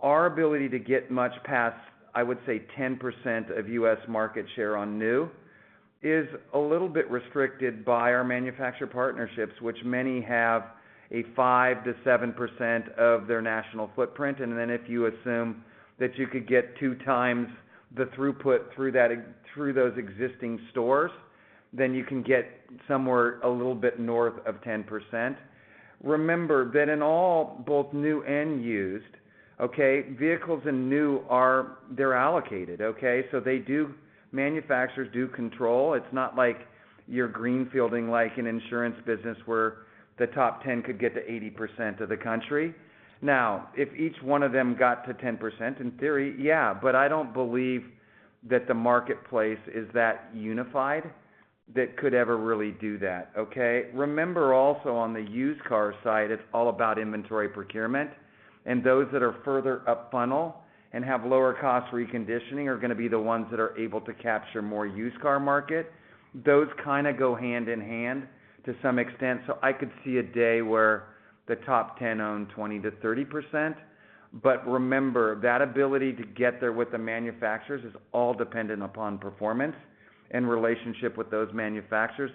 our ability to get much past, I would say, 10% of U.S. market share on new is a little bit restricted by our manufacturer partnerships, which many have a 5%-7% of their national footprint. If you assume that you could get two times the throughput through those existing stores, then you can get somewhere a little bit north of 10%. Remember that in all, both new and used vehicles in new, they're allocated. Manufacturers do control. It's not like you're greenfielding like an insurance business where the top 10 could get to 80% of the country. If each one of them got to 10%, in theory, but I don't believe that the marketplace is that unified that could ever really do that. Remember also on the used car side, it's all about inventory procurement, those that are further up funnel and have lower cost reconditioning are gonna be the ones that are able to capture more used car market. Those kinds of go hand in hand to some extent. I could see a day where the top 10 own 20%-30%. Remember, that ability to get there with the manufacturers is all dependent upon performance and relationship with those manufacturers.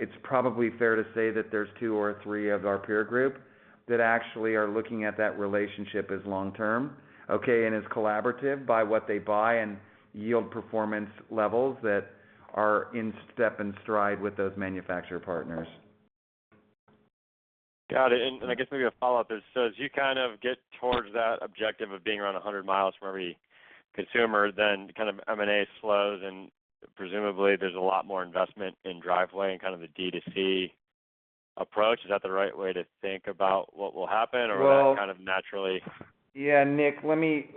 It's probably fair to say that there's two or three of our peer group that actually are looking at that relationship as long-term, okay, and as collaborative by what they buy and yield performance levels that are in step and stride with those manufacturer partners. Got it. I guess maybe a follow-up is, as you kind of get towards that objective of being around 100 mi from every consumer, then kind of M&A slows and presumably there's a lot more investment in Driveway and kind of the D2C approach. Is that the right way to think about what will happen? Well- Will that kind of naturally? Yeah, Nick, let me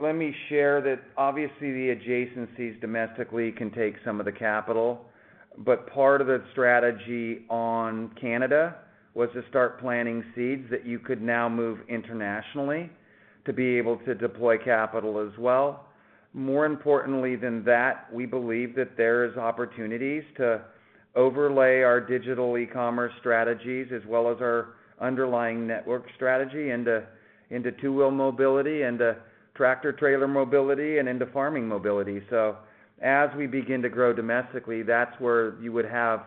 share that obviously the adjacencies domestically can take some of the capital. Part of the strategy in Canada was to start planting seeds that you could now move internationally to be able to deploy capital as well. More importantly than that, we believe that there are opportunities to overlay our digital e-commerce strategies as well as our underlying network strategy into two-wheel mobility and to tractor trailer mobility and into farming mobility. As we begin to grow domestically, that's where you would have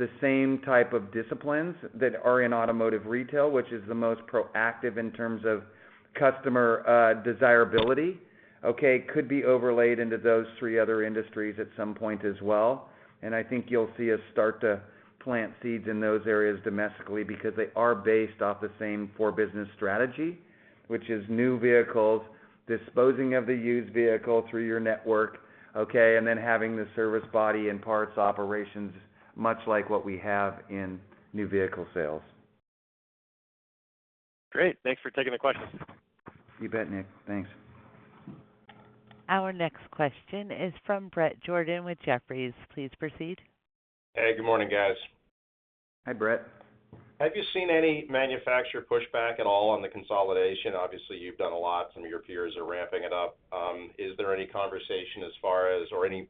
the same type of disciplines that are in automotive retail, which is the most proactive in terms of customer desirability. Could be overlaid into those three other industries at some point as well. I think you'll see us start to plant seeds in those areas domestically because they are based off the same core business strategy, which is new vehicles disposing of the used vehicle through your network, okay? Then having the service body and parts operations much like what we have in new vehicle sales. Great. Thanks for taking the questions. You bet, Nick. Thanks. Our next question is from Bret Jordan with Jefferies. Please proceed. Hey, good morning, guys. Hi, Bret. Have you seen any manufacturer pushback at all on the consolidation? Obviously, you've done a lot. Some of your peers are ramping it up. Is there any conversation as far as or any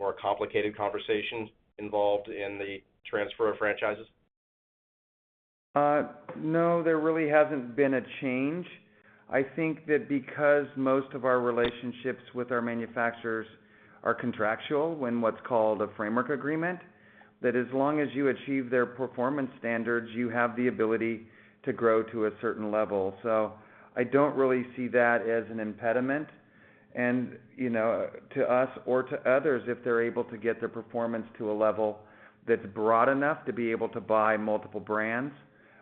more complicated conversations involved in the transfer of franchises? No, there really hasn't been a change. I think that because most of our relationships with our manufacturers are contractual in what's called a framework agreement, that as long as you achieve their performance standards, you have the ability to grow to a certain level. I don't really see that as an impediment, and you know, to us or to others if they're able to get their performance to a level that's broad enough to be able to buy multiple brands,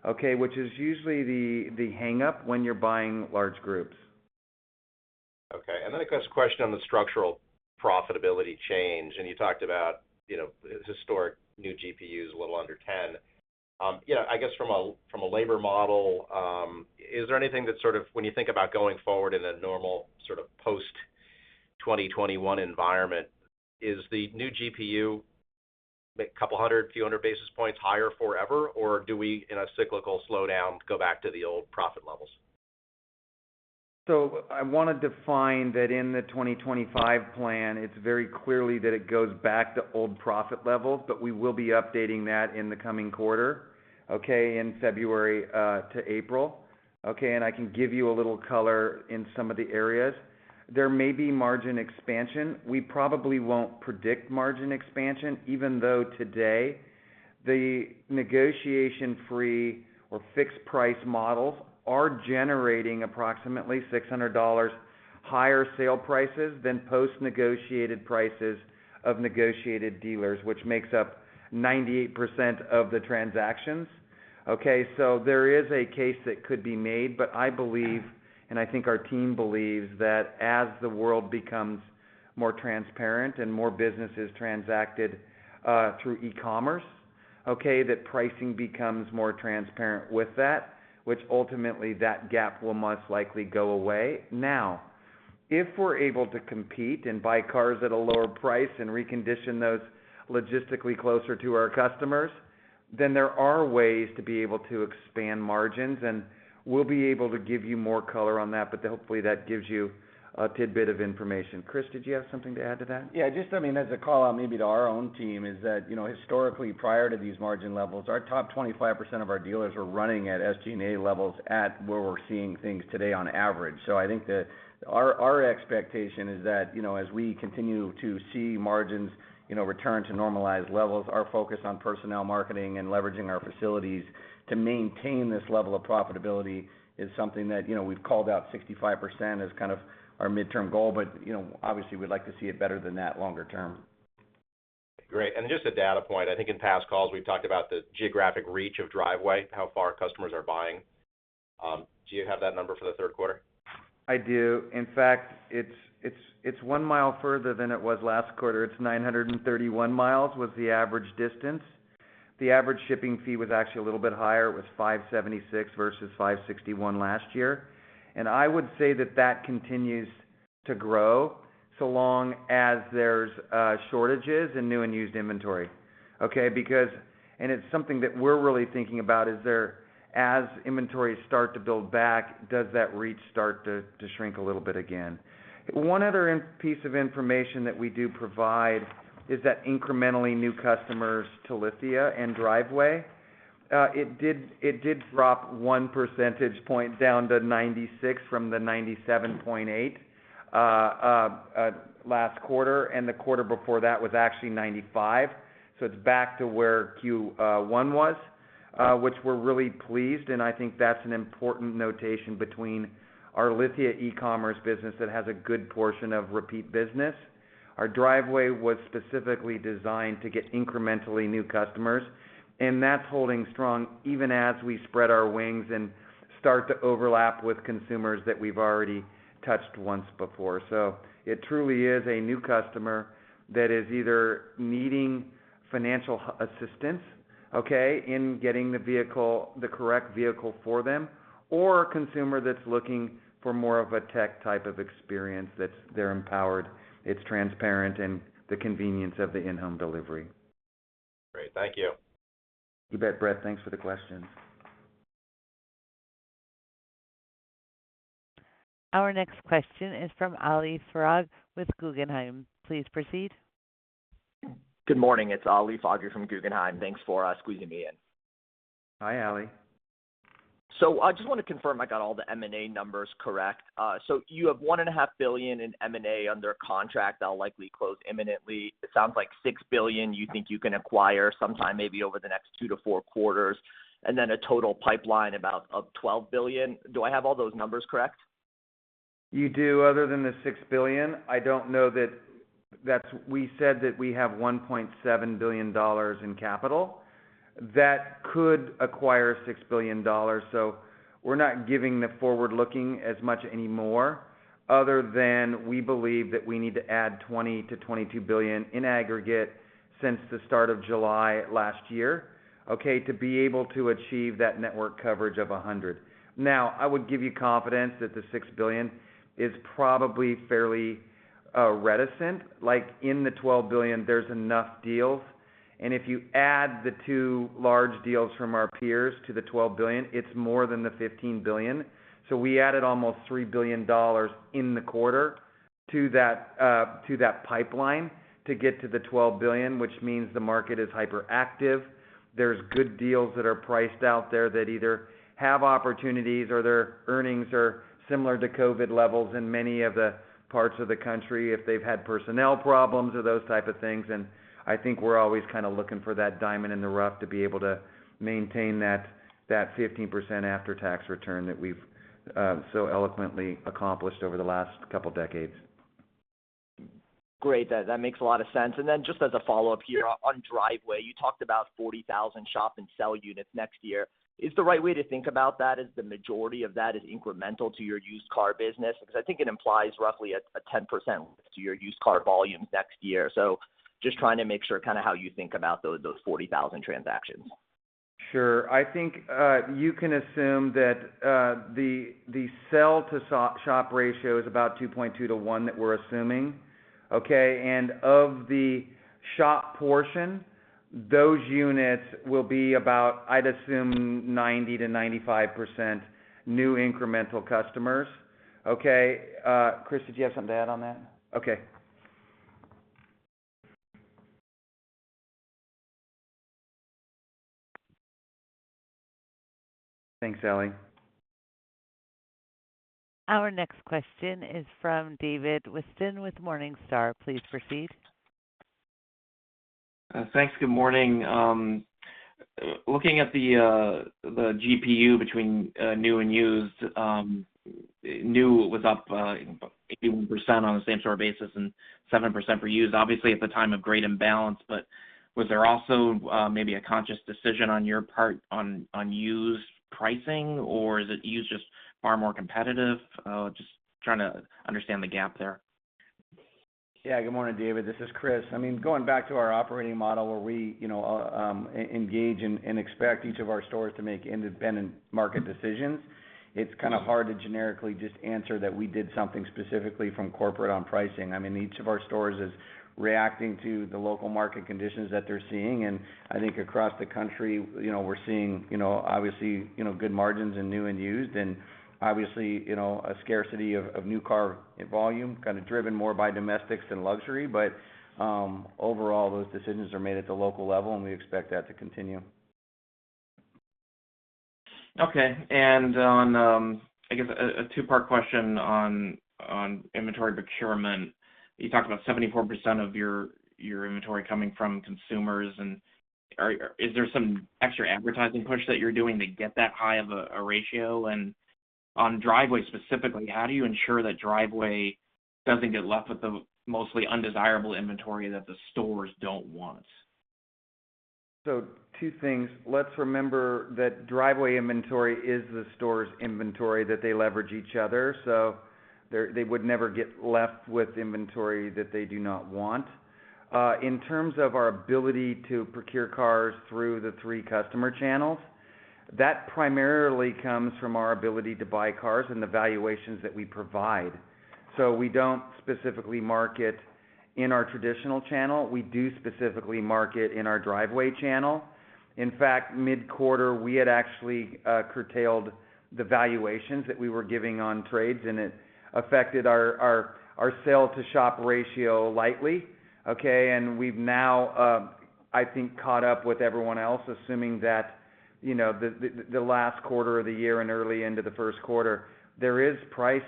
okay, which is usually the hangup when you're buying large groups. Okay. Then I guess a question on the structural profitability change, you talked about, you know, historic new GPUs a little under 10. You know, I guess from a labor model, is there anything that sort of when you think about going forward in a normal sort of post-2021 environment, is the new GPU a couple 100, few 100 basis points higher forever? Do we, in a cyclical slowdown, go back to the old profit levels? I want to define that in the 2025 Plan, it's very clearly that it goes back to old profit levels, but we will be updating that in the coming quarter, in February to April. I can give you a little color in some of the areas. There may be margin expansion. We probably won't predict margin expansion even though today the negotiation-free or fixed price models are generating approximately $600 higher sale prices than post-negotiated prices of negotiated dealers, which makes up 98% of the transactions. There is a case that could be made, but I believe, and I think our team believes, that as the world becomes more transparent and more business is transacted through e-commerce, that pricing becomes more transparent with that, which ultimately that gap will most likely go away. If we're able to compete and buy cars at a lower price and recondition those logistically closer to our customers, then there are ways to be able to expand margins, and we'll be able to give you more color on that, but hopefully that gives you a tidbit of information. Chris, did you have something to add to that? Just I mean, as a call-out maybe to our own team is that, you know, historically prior to these margin levels, our top 25% of our dealers were running at SG&A levels at where we're seeing things today on average. I think that our expectation is that, you know, as we continue to see margins, you know, return to normalized levels, our focus on personnel marketing and leveraging our facilities to maintain this level of profitability is something that, you know, we've called out 65% as kind of our midterm goal. You know, obviously, we'd like to see it better than that longer-term. Great. Just a data point, I think in past calls we've talked about the geographic reach of Driveway, how far customers are buying. Do you have that number for the third quarter? I do. In fact, it's 1 mi further than it was last quarter. It's 931 mi was the average distance. The average shipping fee was actually a little bit higher. It was $576 versus $561 last year. I would say that that continues to grow so long as there's shortages in new and used inventory, okay? Because it's something that we're really thinking about is there, as inventory start to build back, does that reach start to shrink a little bit again? One other piece of information that we do provide is that incrementally, new customers to Lithia & Driveway, it did drop 1 percentage point down to 96% from the 97.8% last quarter, and the quarter before that was actually 95%. It's back to where Q1 was, which we're really pleased, and I think that's an important notation between our Lithia e-commerce business that has a good portion of repeat business. Our Driveway was specifically designed to get incrementally new customers, and that's holding strong even as we spread our wings and start to overlap with consumers that we've already touched once before. It truly is a new customer that is either needing financial assistance, okay, in getting the vehicle, the correct vehicle for them, or a consumer that's looking for more of a tech type of experience that's they're empowered, it's transparent, and the convenience of the in-home delivery. Great. Thank you. You bet, Bret. Thanks for the question. Our next question is from Ali Faghri with Guggenheim. Please proceed. Good morning. It's Ali Faghri from Guggenheim. Thanks for squeezing me in. Hi, Ali. I just want to confirm I got all the M&A numbers correct. You have one and a half billion in M&A under contract that'll likely close imminently. It sounds like $6 billion you think you can acquire sometime maybe over the next two-four quarters, and then a total pipeline of $12 billion. Do I have all those numbers correct? You do. Other than the $6 billion, I don't know that that's. We said that we have $1.7 billion in capital that could acquire $6 billion. We're not giving the forward-looking as much anymore other than we believe that we need to add $20 billion-$22 billion in aggregate since the start of July last year, to be able to achieve that network coverage of 100. I would give you confidence that the $6 billion is probably fairly [realistic]. In the $12 billion, there's enough deals, and if you add the two large deals from our peers to the $12 billion, it's more than the $15 billion. We added almost $3 billion in the quarter to that pipeline to get to the $12 billion, which means the market is hyperactive. There's good deals that are priced out there that either have opportunities or their earnings are similar to COVID levels in many of the parts of the country if they've had personnel problems or those type of things. I think we're always kind of looking for that diamond in the rough to be able to maintain that 15% after-tax return that we've so eloquently accomplished over the last couple decades. Great. That makes a lot of sense. Just as a follow-up here on Driveway, you talked about 40,000 shop and sell units next year. Is the right way to think about that is the majority of that is incremental to your used car business? I think it implies roughly a 10% lift to your used car volumes next year. Just trying to make sure kind of how you think about those 40,000 transactions. Sure. I think, you can assume that, the sell to shop ratio is about 2.2 to 1 that we're assuming, okay. Of the shop portion. Those units will be about, I'd assume 90%-95% new incremental customers. Okay. Chris, did you have something to add on that? Okay. Thanks, Ali. Our next question is from David Whiston with Morningstar. Please proceed. Thanks. Good morning. Looking at the GPU between new and used, new was up about 81% on the same store basis and 7% for used, obviously at the time of great imbalance. Was there also maybe a conscious decision on your part on used pricing, or is it used just far more competitive? Just trying to understand the gap there. Yeah. Good morning, David. This is Chris. I mean, going back to our operating model where we, you know, engage and expect each of our stores to make independent market decisions, it's kind of hard to generically just answer that we did something specifically from corporate on pricing. I mean, each of our stores is reacting to the local market conditions that they're seeing. I think across the country, you know, we're seeing, you know, obviously, you know, good margins in new and used and obviously, you know, a scarcity of new car volume, kind of driven more by domestics than luxury. Overall, those decisions are made at the local level, and we expect that to continue. Okay. On, I guess a two-part question on inventory procurement. You talked about 74% of your inventory coming from consumers. Is there some extra advertising push that you're doing to get that high of a ratio? On Driveway specifically, how do you ensure that Driveway doesn't get left with the mostly undesirable inventory that the stores don't want? Two things. Let's remember that Driveway inventory is the store's inventory, that they leverage each other. They would never get left with inventory that they do not want. In terms of our ability to procure cars through the three customer channels, that primarily comes from our ability to buy cars and the valuations that we provide. We don't specifically market in our traditional channel. We do specifically market in our Driveway channel. In fact, mid-quarter, we had actually curtailed the valuations that we were giving on trades, and it affected our sale-to-shop ratio lightly, okay. We've now, I think, caught up with everyone else, assuming that, you know, the last quarter of the year and early into the first quarter, there is price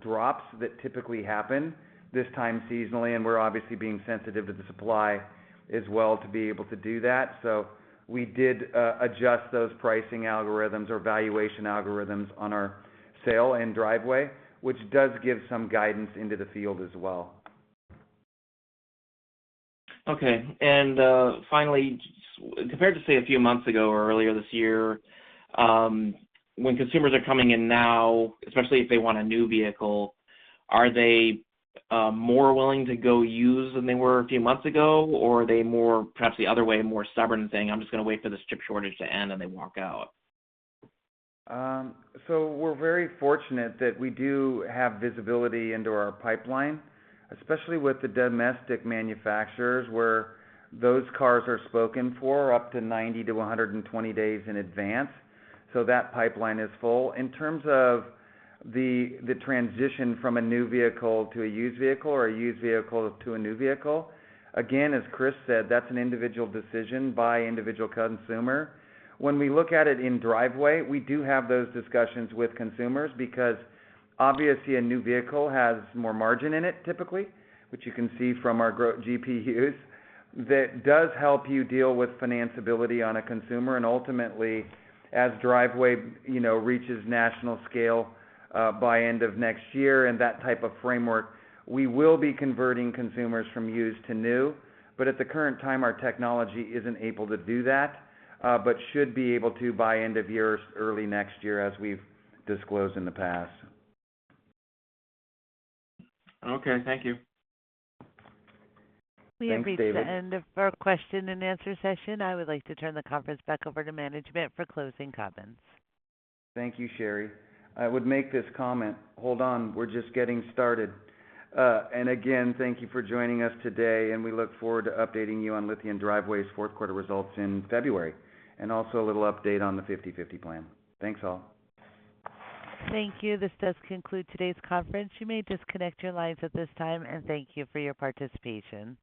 drops that typically happen this time seasonally, and we're obviously being sensitive to the supply as well to be able to do that. We did adjust those pricing algorithms or valuation algorithms on our sale and Driveway, which does give some guidance into the field as well. Okay. Finally, compared to, say, a few months ago or earlier this year, when consumers are coming in now, especially if they want a new vehicle, are they more willing to go used than they were a few months ago? Are they more perhaps the other way, more stubborn, saying, "I'm just gonna wait for this chip shortage to end," and they walk out? We're very fortunate that we do have visibility into our pipeline, especially with the domestic manufacturers, where those cars are spoken for up to 90 to 120 days in advance. That pipeline is full. In terms of the transition from a new vehicle to a used vehicle or a used vehicle to a new vehicle, again, as Chris said, that's an individual decision by individual consumer. When we look at it in Driveway, we do have those discussions with consumers because obviously a new vehicle has more margin in it typically, which you can see from our GPUs, that does help you deal with financeability on a consumer. Ultimately, as Driveway, you know, reaches national scale by end of next year and that type of framework, we will be converting consumers from used to new. At the current time, our technology isn't able to do that but should be able to by end of year or early next year, as we've disclosed in the past. Okay. Thank you. Thanks David. We have reached the end of our question-and-answer session. I would like to turn the conference back over to management for closing comments. Thank you, Sherry. I would make this comment. Hold on, we're just getting started. Again, thank you for joining us today, and we look forward to updating you on Lithia & Driveway's fourth quarter results in February, and also a little update on the 50/50 plan. Thanks, all. Thank you. This does conclude today's conference. You may disconnect your lines at this time and thank you for your participation.